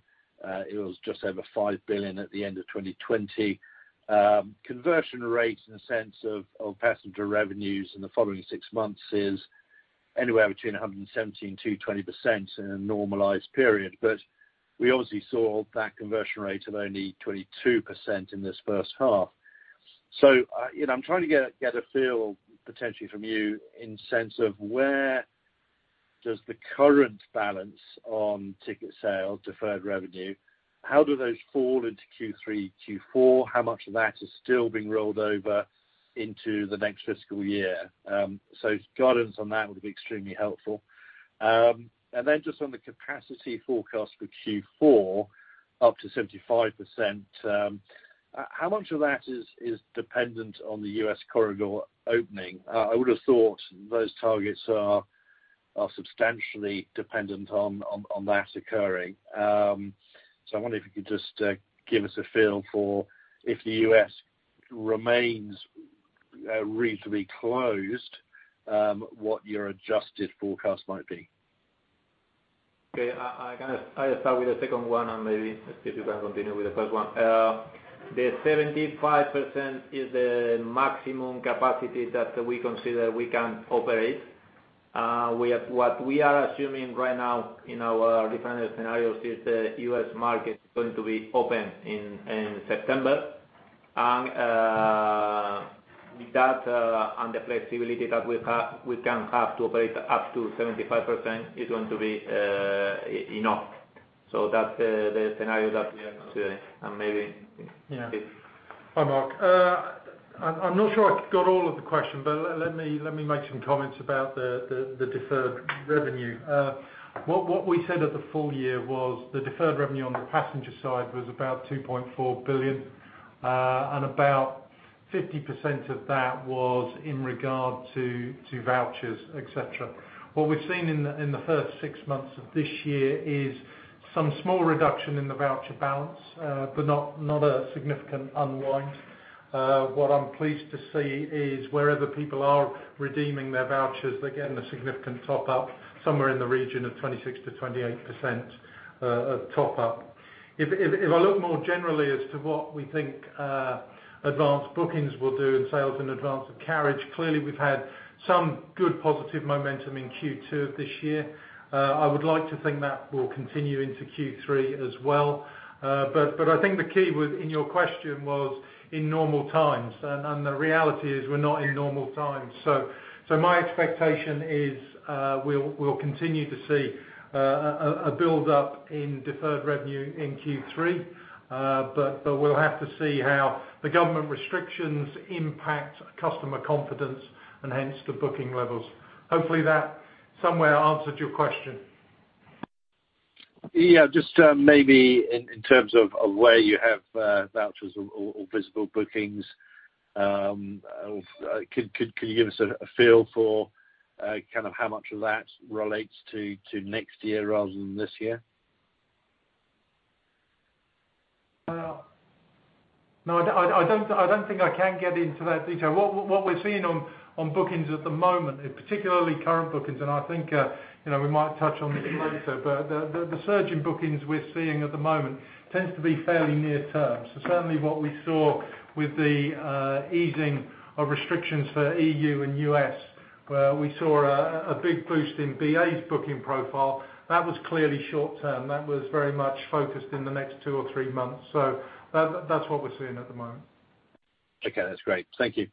It was just over 5 billion at the end of 2020. Conversion rates in the sense of passenger revenues in the following six months is anywhere between 117%-20% in a normalized period. We obviously saw that conversion rate of only 22% in this first half. I'm trying to get a feel, potentially from you, in sense of where does the current balance on ticket sale, deferred revenue, how do those fall into Q3, Q4? How much of that is still being rolled over into the next fiscal year? Guidance on that would be extremely helpful. Just on the capacity forecast for Q4, up to 75%, how much of that is dependent on the U.S. corridor opening? I would have thought those targets are substantially dependent on that occurring. I wonder if you could just give us a feel for if the U.S. remains reasonably closed, what your adjusted forecast might be? Okay. I start with the second one. Maybe Steve, you can continue with the first one. The 75% is the maximum capacity that we consider we can operate. What we are assuming right now in our different scenarios is the U.S. market is going to be open in September. With that and the flexibility that we can have to operate up to 75%, it's going to be enough. That's the scenario that we are considering. Maybe Steve. Yeah. Hi, Mark. I'm not sure I got all of the question, but let me make some comments about the deferred revenue. What we said at the full year was the deferred revenue on the passenger side was about 2.4 billion, and about 50% of that was in regard to vouchers, et cetera. What we've seen in the first six months of this year is some small reduction in the voucher balance, but not a significant unwind. What I'm pleased to see is wherever people are redeeming their vouchers, they're getting a significant top-up, somewhere in the region of 26%-28% top-up. If I look more generally as to what we think advanced bookings will do and sales in advance of carriage, clearly we've had some good positive momentum in Q2 of this year. I would like to think that will continue into Q3 as well. I think the key in your question was in normal times, and the reality is we're not in normal times. My expectation is we'll continue to see a build-up in deferred revenue in Q3. We'll have to see how the government restrictions impact customer confidence and hence the booking levels. Hopefully that somewhere answered your question. Yeah, just maybe in terms of where you have vouchers or visible bookings, can you give us a feel for how much of that relates to next year rather than this year? No, I don't think I can get into that detail. What we're seeing on bookings at the moment, and particularly current bookings, and I think we might touch on this later, but the surge in bookings we're seeing at the moment tends to be fairly near term. Certainly what we saw with the easing of restrictions for EU and U.S., where we saw a big boost in BA's booking profile, that was clearly short term. That was very much focused in the next two or three months. That's what we're seeing at the moment. Okay, that's great. Thank you.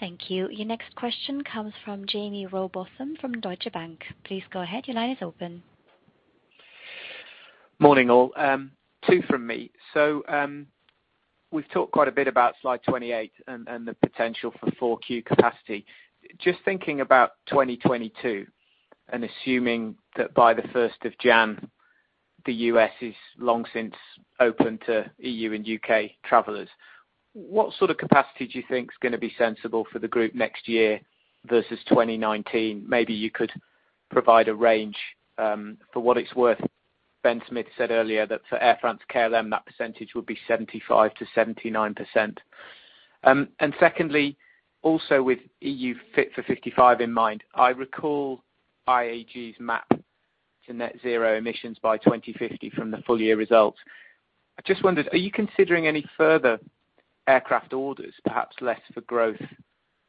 Thank you. Your next question comes from Jaime Rowbotham from Deutsche Bank. Please go ahead. Your line is open. Morning, all. Two from me. We've talked quite a bit about slide 28 and the potential for 4Q capacity. Just thinking about 2022, and assuming that by the 1st of January, the U.S. is long since open to EU and U.K. travelers, what sort of capacity do you think is going to be sensible for the group next year versus 2019? Maybe you could provide a range. For what it's worth, Benjamin Smith said earlier that for Air France-KLM, that percentage would be 75%-79%. Secondly, also with EU Fit for 55 in mind, I recall IAG's map to net zero emissions by 2050 from the full year results. I just wondered, are you considering any further aircraft orders, perhaps less for growth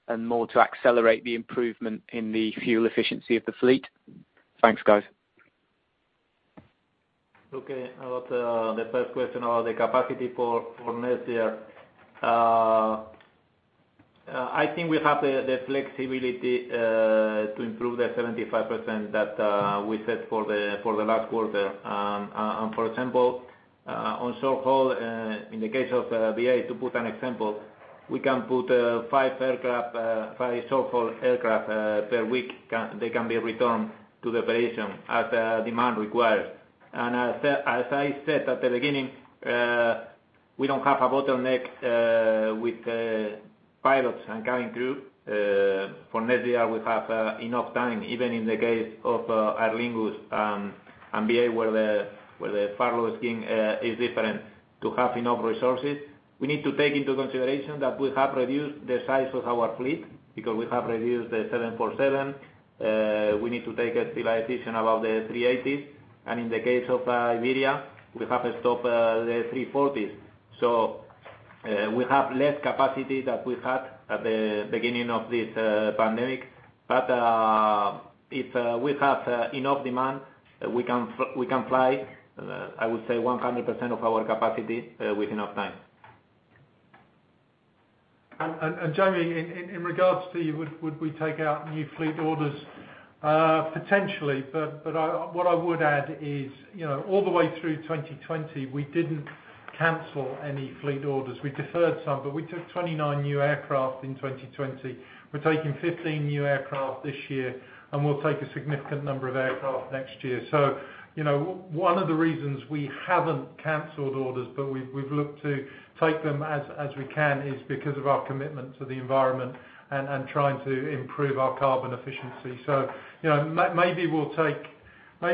and more to accelerate the improvement in the fuel efficiency of the fleet? Thanks, guys. Okay. About the first question about the capacity for next year. I think we have the flexibility to improve the 75% that we set for the last quarter. For example, on short haul, in the case of BA, to put an example, we can put five short-haul aircraft per week, they can be returned to the operation as demand requires. As I said at the beginning, we don't have a bottleneck with pilots and cabin crew. For next year, we have enough time, even in the case of Aer Lingus and BA, where the far is different to have enough resources. We need to take into consideration that we have reduced the size of our fleet because we have reduced the 747. We need to take a decision about the 380s. In the case of Iberia, we have to stop the 340s. We have less capacity that we had at the beginning of this pandemic. If we have enough demand, we can fly, I would say, 100% of our capacity with enough time. Jaime, in regards to would we take out new fleet orders, potentially, but what I would add is, all the way through 2020, we didn't cancel any fleet orders. We deferred some, we took 29 new aircraft in 2020. We're taking 15 new aircraft this year, we'll take a significant number of aircraft next year. One of the reasons we haven't canceled orders, we've looked to take them as we can, is because of our commitment to the environment and trying to improve our carbon efficiency. Maybe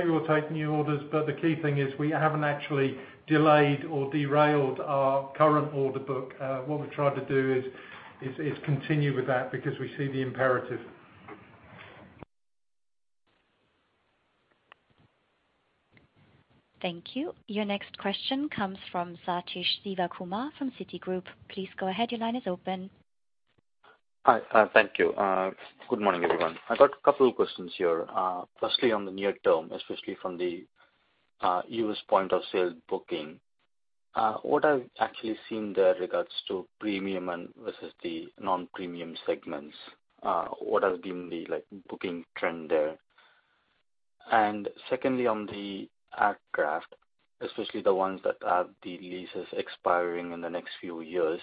we'll take new orders, the key thing is we haven't actually delayed or derailed our current order book. What we've tried to do is continue with that because we see the imperative. Thank you. Your next question comes from Sathish Sivakumar from Citigroup. Please go ahead. Your line is open. Hi. Thank you. Good morning, everyone. I've got a couple of questions here. Firstly, on the near term, especially from the U.S. point of sale booking, what are actually seen there regards to premium and versus the non-premium segments? What has been the booking trend there? Secondly, on the aircraft, especially the ones that have the leases expiring in the next few years,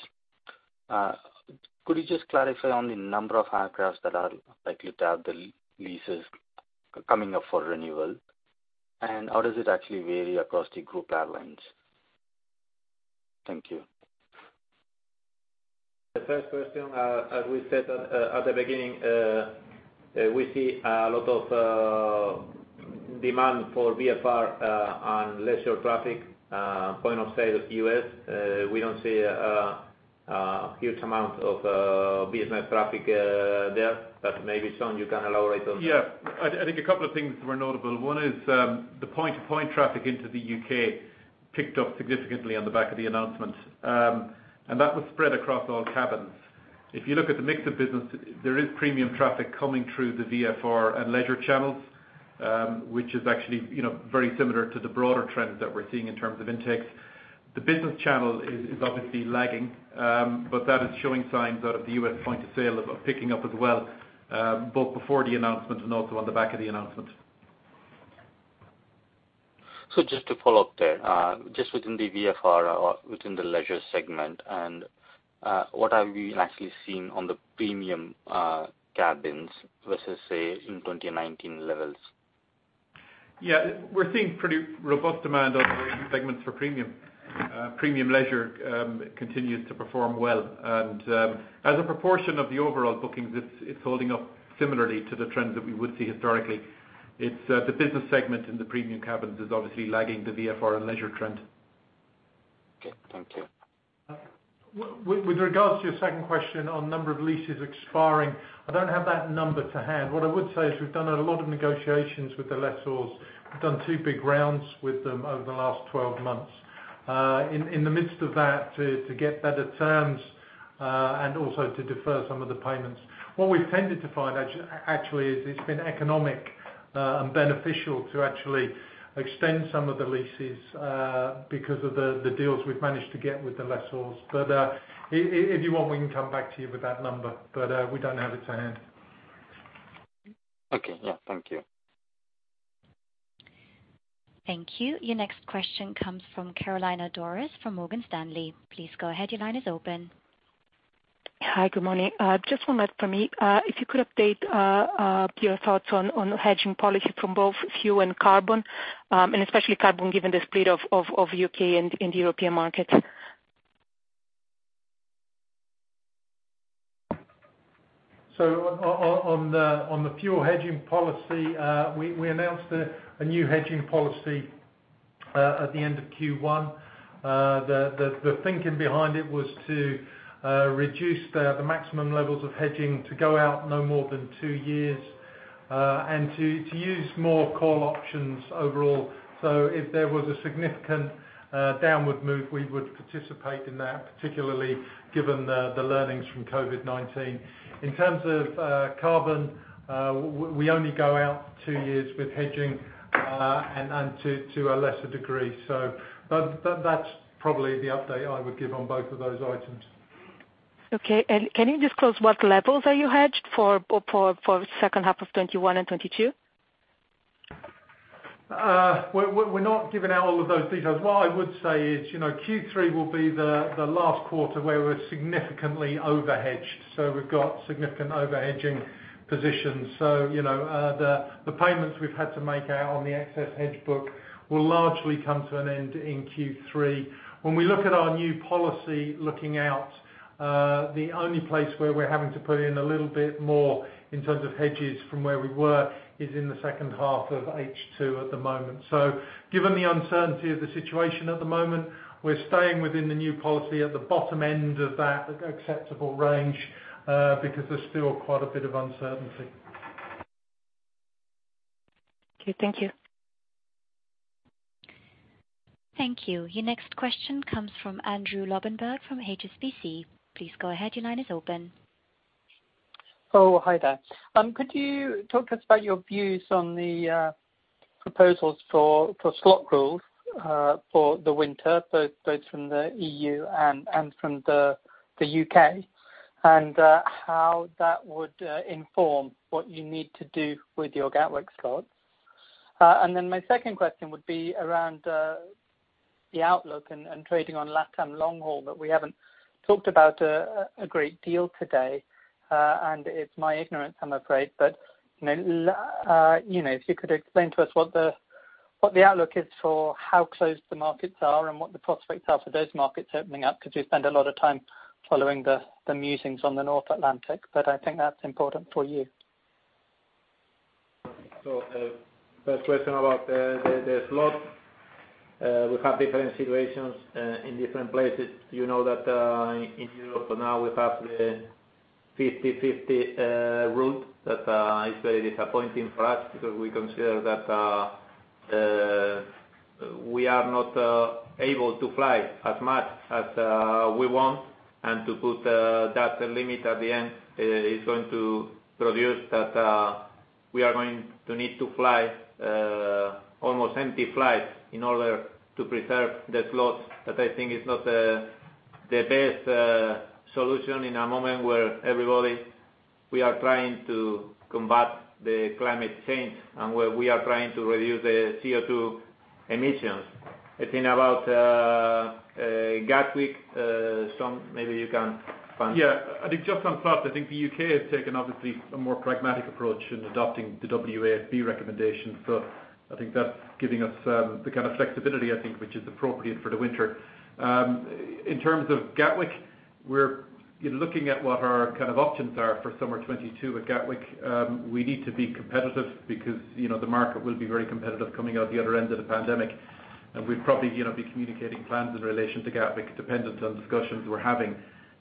could you just clarify on the number of aircrafts that are likely to have the leases coming up for renewal? How does it actually vary across the group airlines? Thank you. The first question, as we said at the beginning, we see a lot of demand for VFR on leisure traffic. Point of sale U.S., we don't see a huge amount of business traffic there, maybe, Sean, you can elaborate on that. Yeah. I think a couple of things were notable. One is the point-to-point traffic into the U.K. picked up significantly on the back of the announcement. That was spread across all cabins. If you look at the mix of business, there is premium traffic coming through the VFR and leisure channels, which is actually very similar to the broader trends that we're seeing in terms of intakes. The business channel is obviously lagging, but that is showing signs out of the U.S. point of sale of picking up as well, both before the announcement and also on the back of the announcement. Just to follow up there, just within the VFR or within the leisure segment, and what have we actually seen on the premium cabins versus, say, in 2019 levels? Yeah. We're seeing pretty robust demand on segments for premium. Premium leisure continues to perform well. As a proportion of the overall bookings, it's holding up similarly to the trends that we would see historically. It's the business segment in the premium cabins is obviously lagging the VFR and leisure trend. Okay. Thank you. With regards to your second question on number of leases expiring, I don't have that number to hand. What I would say is we've done a lot of negotiations with the lessors. We've done two big rounds with them over the last 12 months. In the midst of that, to get better terms, and also to defer some of the payments. What we've tended to find, actually, is it's been economic and beneficial to actually extend some of the leases, because of the deals we've managed to get with the lessors. If you want, we can come back to you with that number. We don't have it to hand. Okay. Yeah. Thank you. Thank you. Your next question comes from Carolina Dores from Morgan Stanley. Please go ahead. Your line is open. Hi. Good morning. Just one more from me. If you could update your thoughts on hedging policy from both fuel and carbon, and especially carbon, given the split of U.K. and European markets? On the fuel hedging policy, we announced a new hedging policy, at the end of Q1. The thinking behind it was to reduce the maximum levels of hedging to go out no more than two years, and to use more call options overall. If there was a significant downward move, we would participate in that, particularly given the learnings from COVID-19. In terms of carbon, we only go out two years with hedging, and to a lesser degree. That's probably the update I would give on both of those items. Okay. Can you disclose what levels are you hedged for the second half of 2021 and 2022? We're not giving out all of those details. What I would say is Q3 will be the last quarter where we're significantly over-hedged. We've got significant over-hedging positions. The payments we've had to make out on the excess hedge book will largely come to an end in Q3. When we look at our new policy looking out, the only place where we're having to put in a little bit more in terms of hedges from where we were is in the second half of H2 at the moment. Given the uncertainty of the situation at the moment, we're staying within the new policy at the bottom end of that acceptable range, because there's still quite a bit of uncertainty. Okay, thank you. Thank you. Your next question comes from Andrew Lobbenberg from HSBC. Please go ahead. Your line is open. Oh, hi there. Could you talk to us about your views on the proposals for slot rules for the winter, both from the EU and from the U.K., and how that would inform what you need to do with your Gatwick slot? My second question would be around the outlook and trading on LatAm long haul that we haven't talked about a great deal today. It's my ignorance, I'm afraid, but if you could explain to us what the outlook is for how closed the markets are and what the prospects are for those markets opening up, because we spend a lot of time following the musings on the North Atlantic, but I think that's important for you. First question about the slot. We have different situations in different places. You know that in Europe now we have the 50/50 rule. That is very disappointing for us because we consider that we are not able to fly as much as we want, and to put that limit at the end, it is going to produce that we are going to need to fly almost empty flights in order to preserve the slots. That I think is not the best solution in a moment where everybody, we are trying to combat the climate change and where we are trying to reduce the CO2 emissions. I think about Gatwick, Sean Doyle, maybe you can. Yeah. I think just on top, I think the U.K. has taken obviously a more pragmatic approach in adopting the WASB recommendation. I think that's giving us the kind of flexibility, I think, which is appropriate for the winter. In terms of Gatwick, we're looking at what our options are for summer 2022 with Gatwick. We need to be competitive because the market will be very competitive coming out the other end of the pandemic, and we'd probably be communicating plans in relation to Gatwick dependent on discussions we're having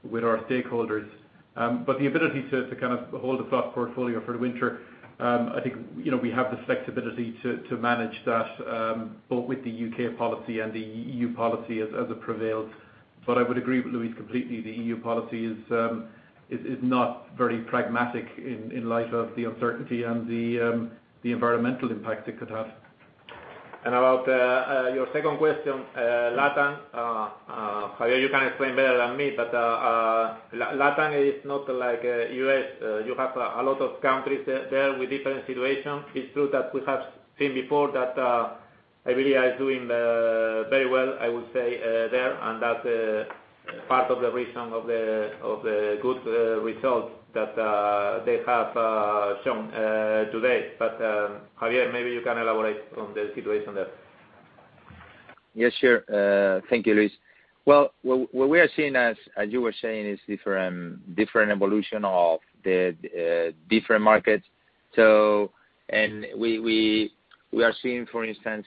with our stakeholders. The ability to kind of hold a slot portfolio for the winter, I think, we have the flexibility to manage that, both with the U.K. policy and the EU policy as it prevails. I would agree with Luis completely, the EU policy is not very pragmatic in light of the uncertainty and the environmental impact it could have. About your second question, LatAm, Javier, you can explain better than me, but LatAm is not like U.S. You have a lot of countries there with different situations. It's true that we have seen before that Iberia is doing very well, I would say, there, and that's part of the reason of the good results that they have shown today. Javier, maybe you can elaborate on the situation there. Yes, sure. Thank you, Luis. What we are seeing as you were saying, is different evolution of the different markets. We are seeing, for instance,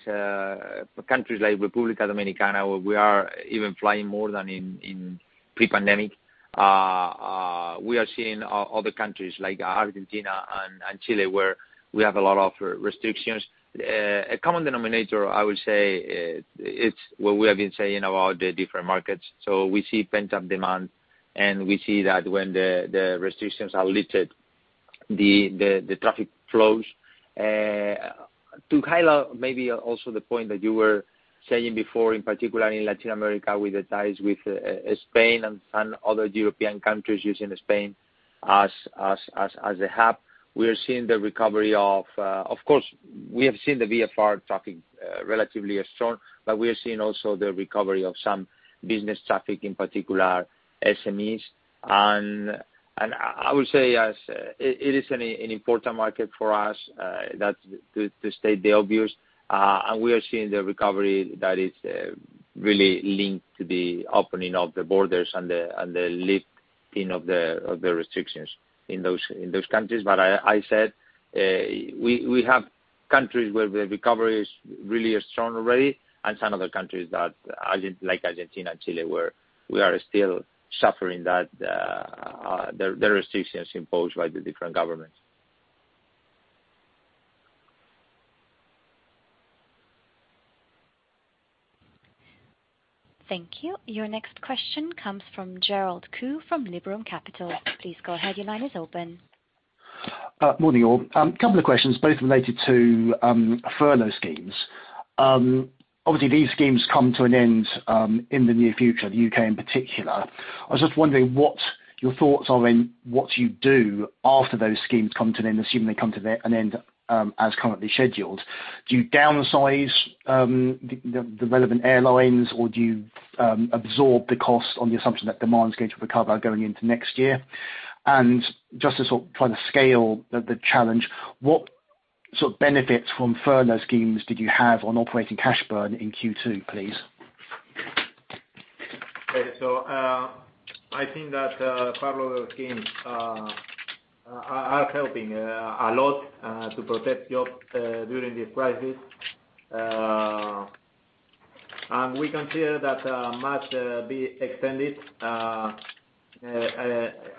countries like República Dominicana, where we are even flying more than in pre-pandemic. We are seeing other countries like Argentina and Chile, where we have a lot of restrictions. A common denominator, I would say, it's what we have been saying about the different markets. We see pent-up demand, and we see that when the restrictions are lifted, the traffic flows. To highlight maybe also the point that you were saying before, in particular in Latin America, with the ties with Spain and some other European countries using Spain as a hub, we are seeing the recovery. Of course, we have seen the VFR traffic relatively strong, but we are seeing also the recovery of some business traffic, in particular SMEs. I would say as, it is an important market for us, that to state the obvious, and we are seeing the recovery that is really linked to the opening of the borders and the lifting of the restrictions in those countries. I said, we have countries where the recovery is really strong already, and some other countries like Argentina and Chile, where we are still suffering the restrictions imposed by the different governments. Thank you. Your next question comes from Gerald Khoo from Liberum Capital. Please go ahead. Your line is open. Morning, all. A couple of questions, both related to furlough schemes. Obviously, these schemes come to an end in the near future, the U.K. in particular. I was just wondering what your thoughts are and what you do after those schemes come to an end, assuming they come to an end as currently scheduled. Do you downsize the relevant airlines, or do you absorb the cost on the assumption that demand is going to recover going into next year? Just to sort of try to scale the challenge, what sort of benefits from furlough schemes did you have on operating cash burn in Q2, please? Okay. I think that furlough schemes are helping a lot to protect jobs during this crisis. We consider that must be extended.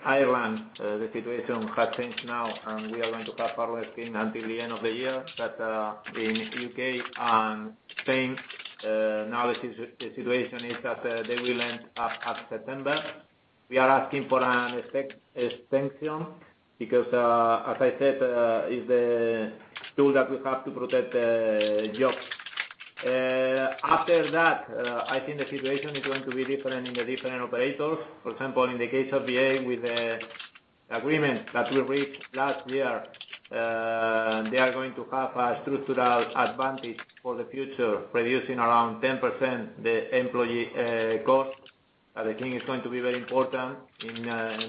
Ireland, the situation has changed now, and we are going to have furlough scheme until the end of the year. In U.K. and Spain, now the situation is that they will end up at September. We are asking for an extension because, as I said, it's the tool that we have to protect jobs. After that, I think the situation is going to be different in the different operators. For example, in the case of BA, with the agreement that we reached last year, they are going to have a structural advantage for the future, reducing around 10% the employee cost. I think it's going to be very important in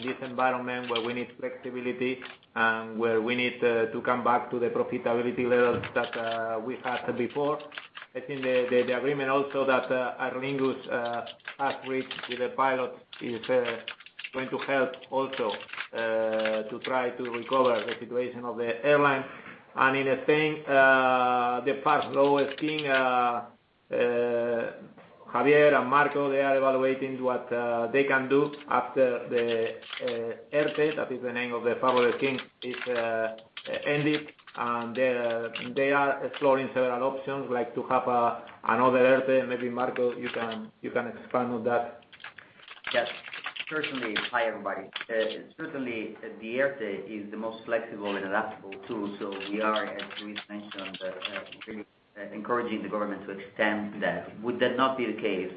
this environment where we need flexibility and where we need to come back to the profitability levels that we had before. I think the agreement also that Aer Lingus has reached with the pilot is going to help also to try to recover the situation of the airline. In Spain, the partner furlough scheme, Javier and Marco, they are evaluating what they can do after the ERTE, that is the name of the furlough scheme, is ended. They are exploring several options, like to have another ERTE. Maybe Marco, you can expand on that. Yes. Certainly. Hi, everybody. Certainly, the ERTE is the most flexible and adaptable tool. We are, as Luis mentioned, really encouraging the government to extend that. Would that not be the case,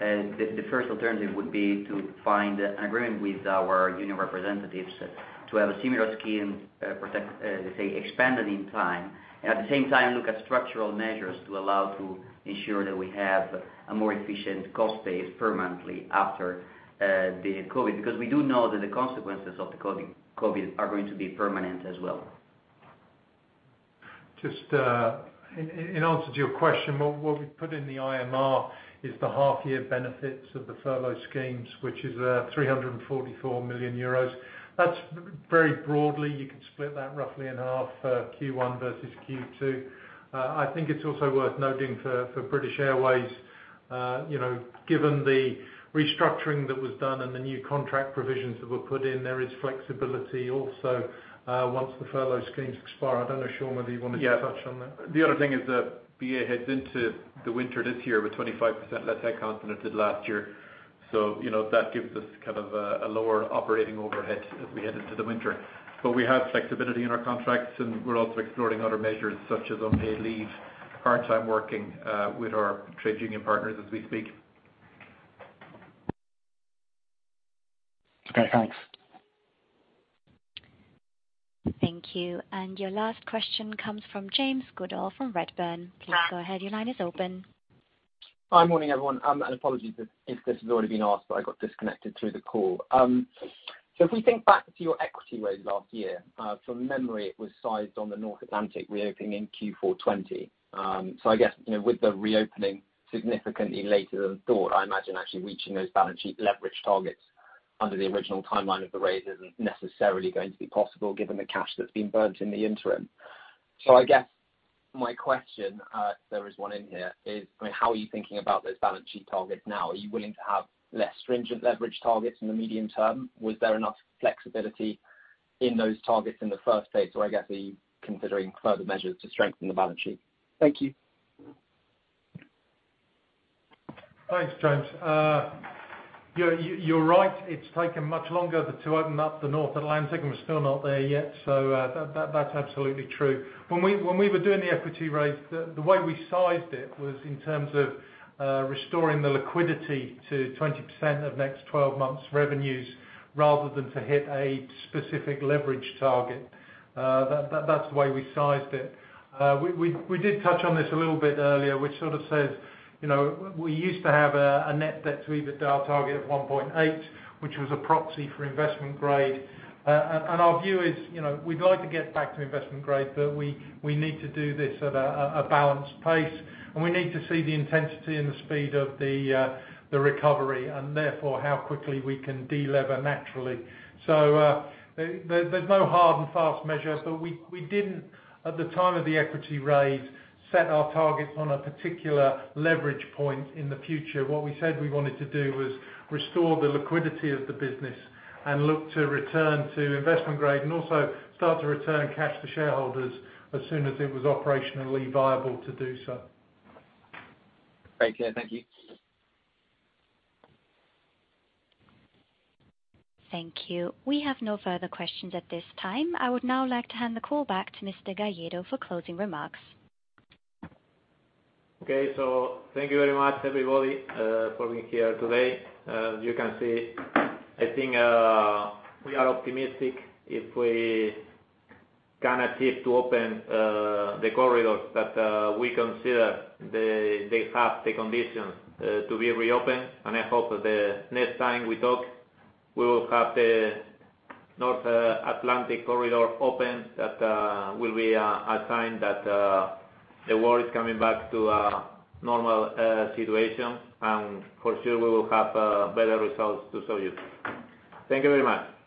the first alternative would be to find an agreement with our union representatives to have a similar scheme protected, let's say, expanded in time, and at the same time look at structural measures to allow to ensure that we have a more efficient cost base permanently after the COVID, because we do know that the consequences of the COVID are going to be permanent as well. Just in answer to your question, what we've put in the HMRC is the half year benefits of the furlough schemes, which is 344 million euros. That's very broadly. You could split that roughly in half for Q1 versus Q2. I think it's also worth noting for British Airways, given the restructuring that was done and the new contract provisions that were put in, there is flexibility also, once the furlough schemes expire. I don't know, Sean, whether you wanted to touch on that. Yeah. The other thing is that BA heads into the winter this year with 25% less headcount than it did last year. That gives us kind of a lower operating overhead as we head into the winter. We have flexibility in our contracts, and we're also exploring other measures such as unpaid leave, part-time working, with our trade union partners as we speak. Okay, thanks. Thank you. Your last question comes from James Goodall from Redburn. Please go ahead. Your line is open. Hi. Morning, everyone. Apologies if this has already been asked, but I got disconnected through the call. If we think back to your equity raise last year, from memory, it was sized on the North Atlantic reopening in Q4 2020. I guess, with the reopening significantly later than thought, I imagine actually reaching those balance sheet leverage targets under the original timeline of the raise isn't necessarily going to be possible given the cash that's been burnt in the interim. I guess my question, if there is one in here, is, how are you thinking about those balance sheet targets now? Are you willing to have less stringent leverage targets in the medium term? Was there enough flexibility in those targets in the first place, or I guess, are you considering further measures to strengthen the balance sheet? Thank you. Thanks, James. You're right. It's taken much longer to open up the North Atlantic, and we're still not there yet. That's absolutely true. When we were doing the equity raise, the way we sized it was in terms of restoring the liquidity to 20% of next 12 months revenues rather than to hit a specific leverage target. That's the way we sized it. We did touch on this a little bit earlier, which sort of says we used to have a net debt to EBITDA target of 1.8, which was a proxy for investment grade. Our view is we'd like to get back to investment grade, but we need to do this at a balanced pace, and we need to see the intensity and the speed of the recovery, and therefore, how quickly we can de-lever naturally. There's no hard and fast measure. We didn't, at the time of the equity raise, set our targets on a particular leverage point in the future. What we said we wanted to do was restore the liquidity of the business and look to return to investment grade, and also start to return cash to shareholders as soon as it was operationally viable to do so. Okay. Thank you. Thank you. We have no further questions at this time. I would now like to hand the call back to Mr. Gallego for closing remarks. Okay, thank you very much, everybody, for being here today. As you can see, I think we are optimistic if we can achieve to open the corridors that we consider they have the conditions to be reopened. I hope the next time we talk, we will have the North Atlantic corridor open. That will be a sign that the world is coming back to a normal situation. For sure, we will have better results to show you. Thank you very much.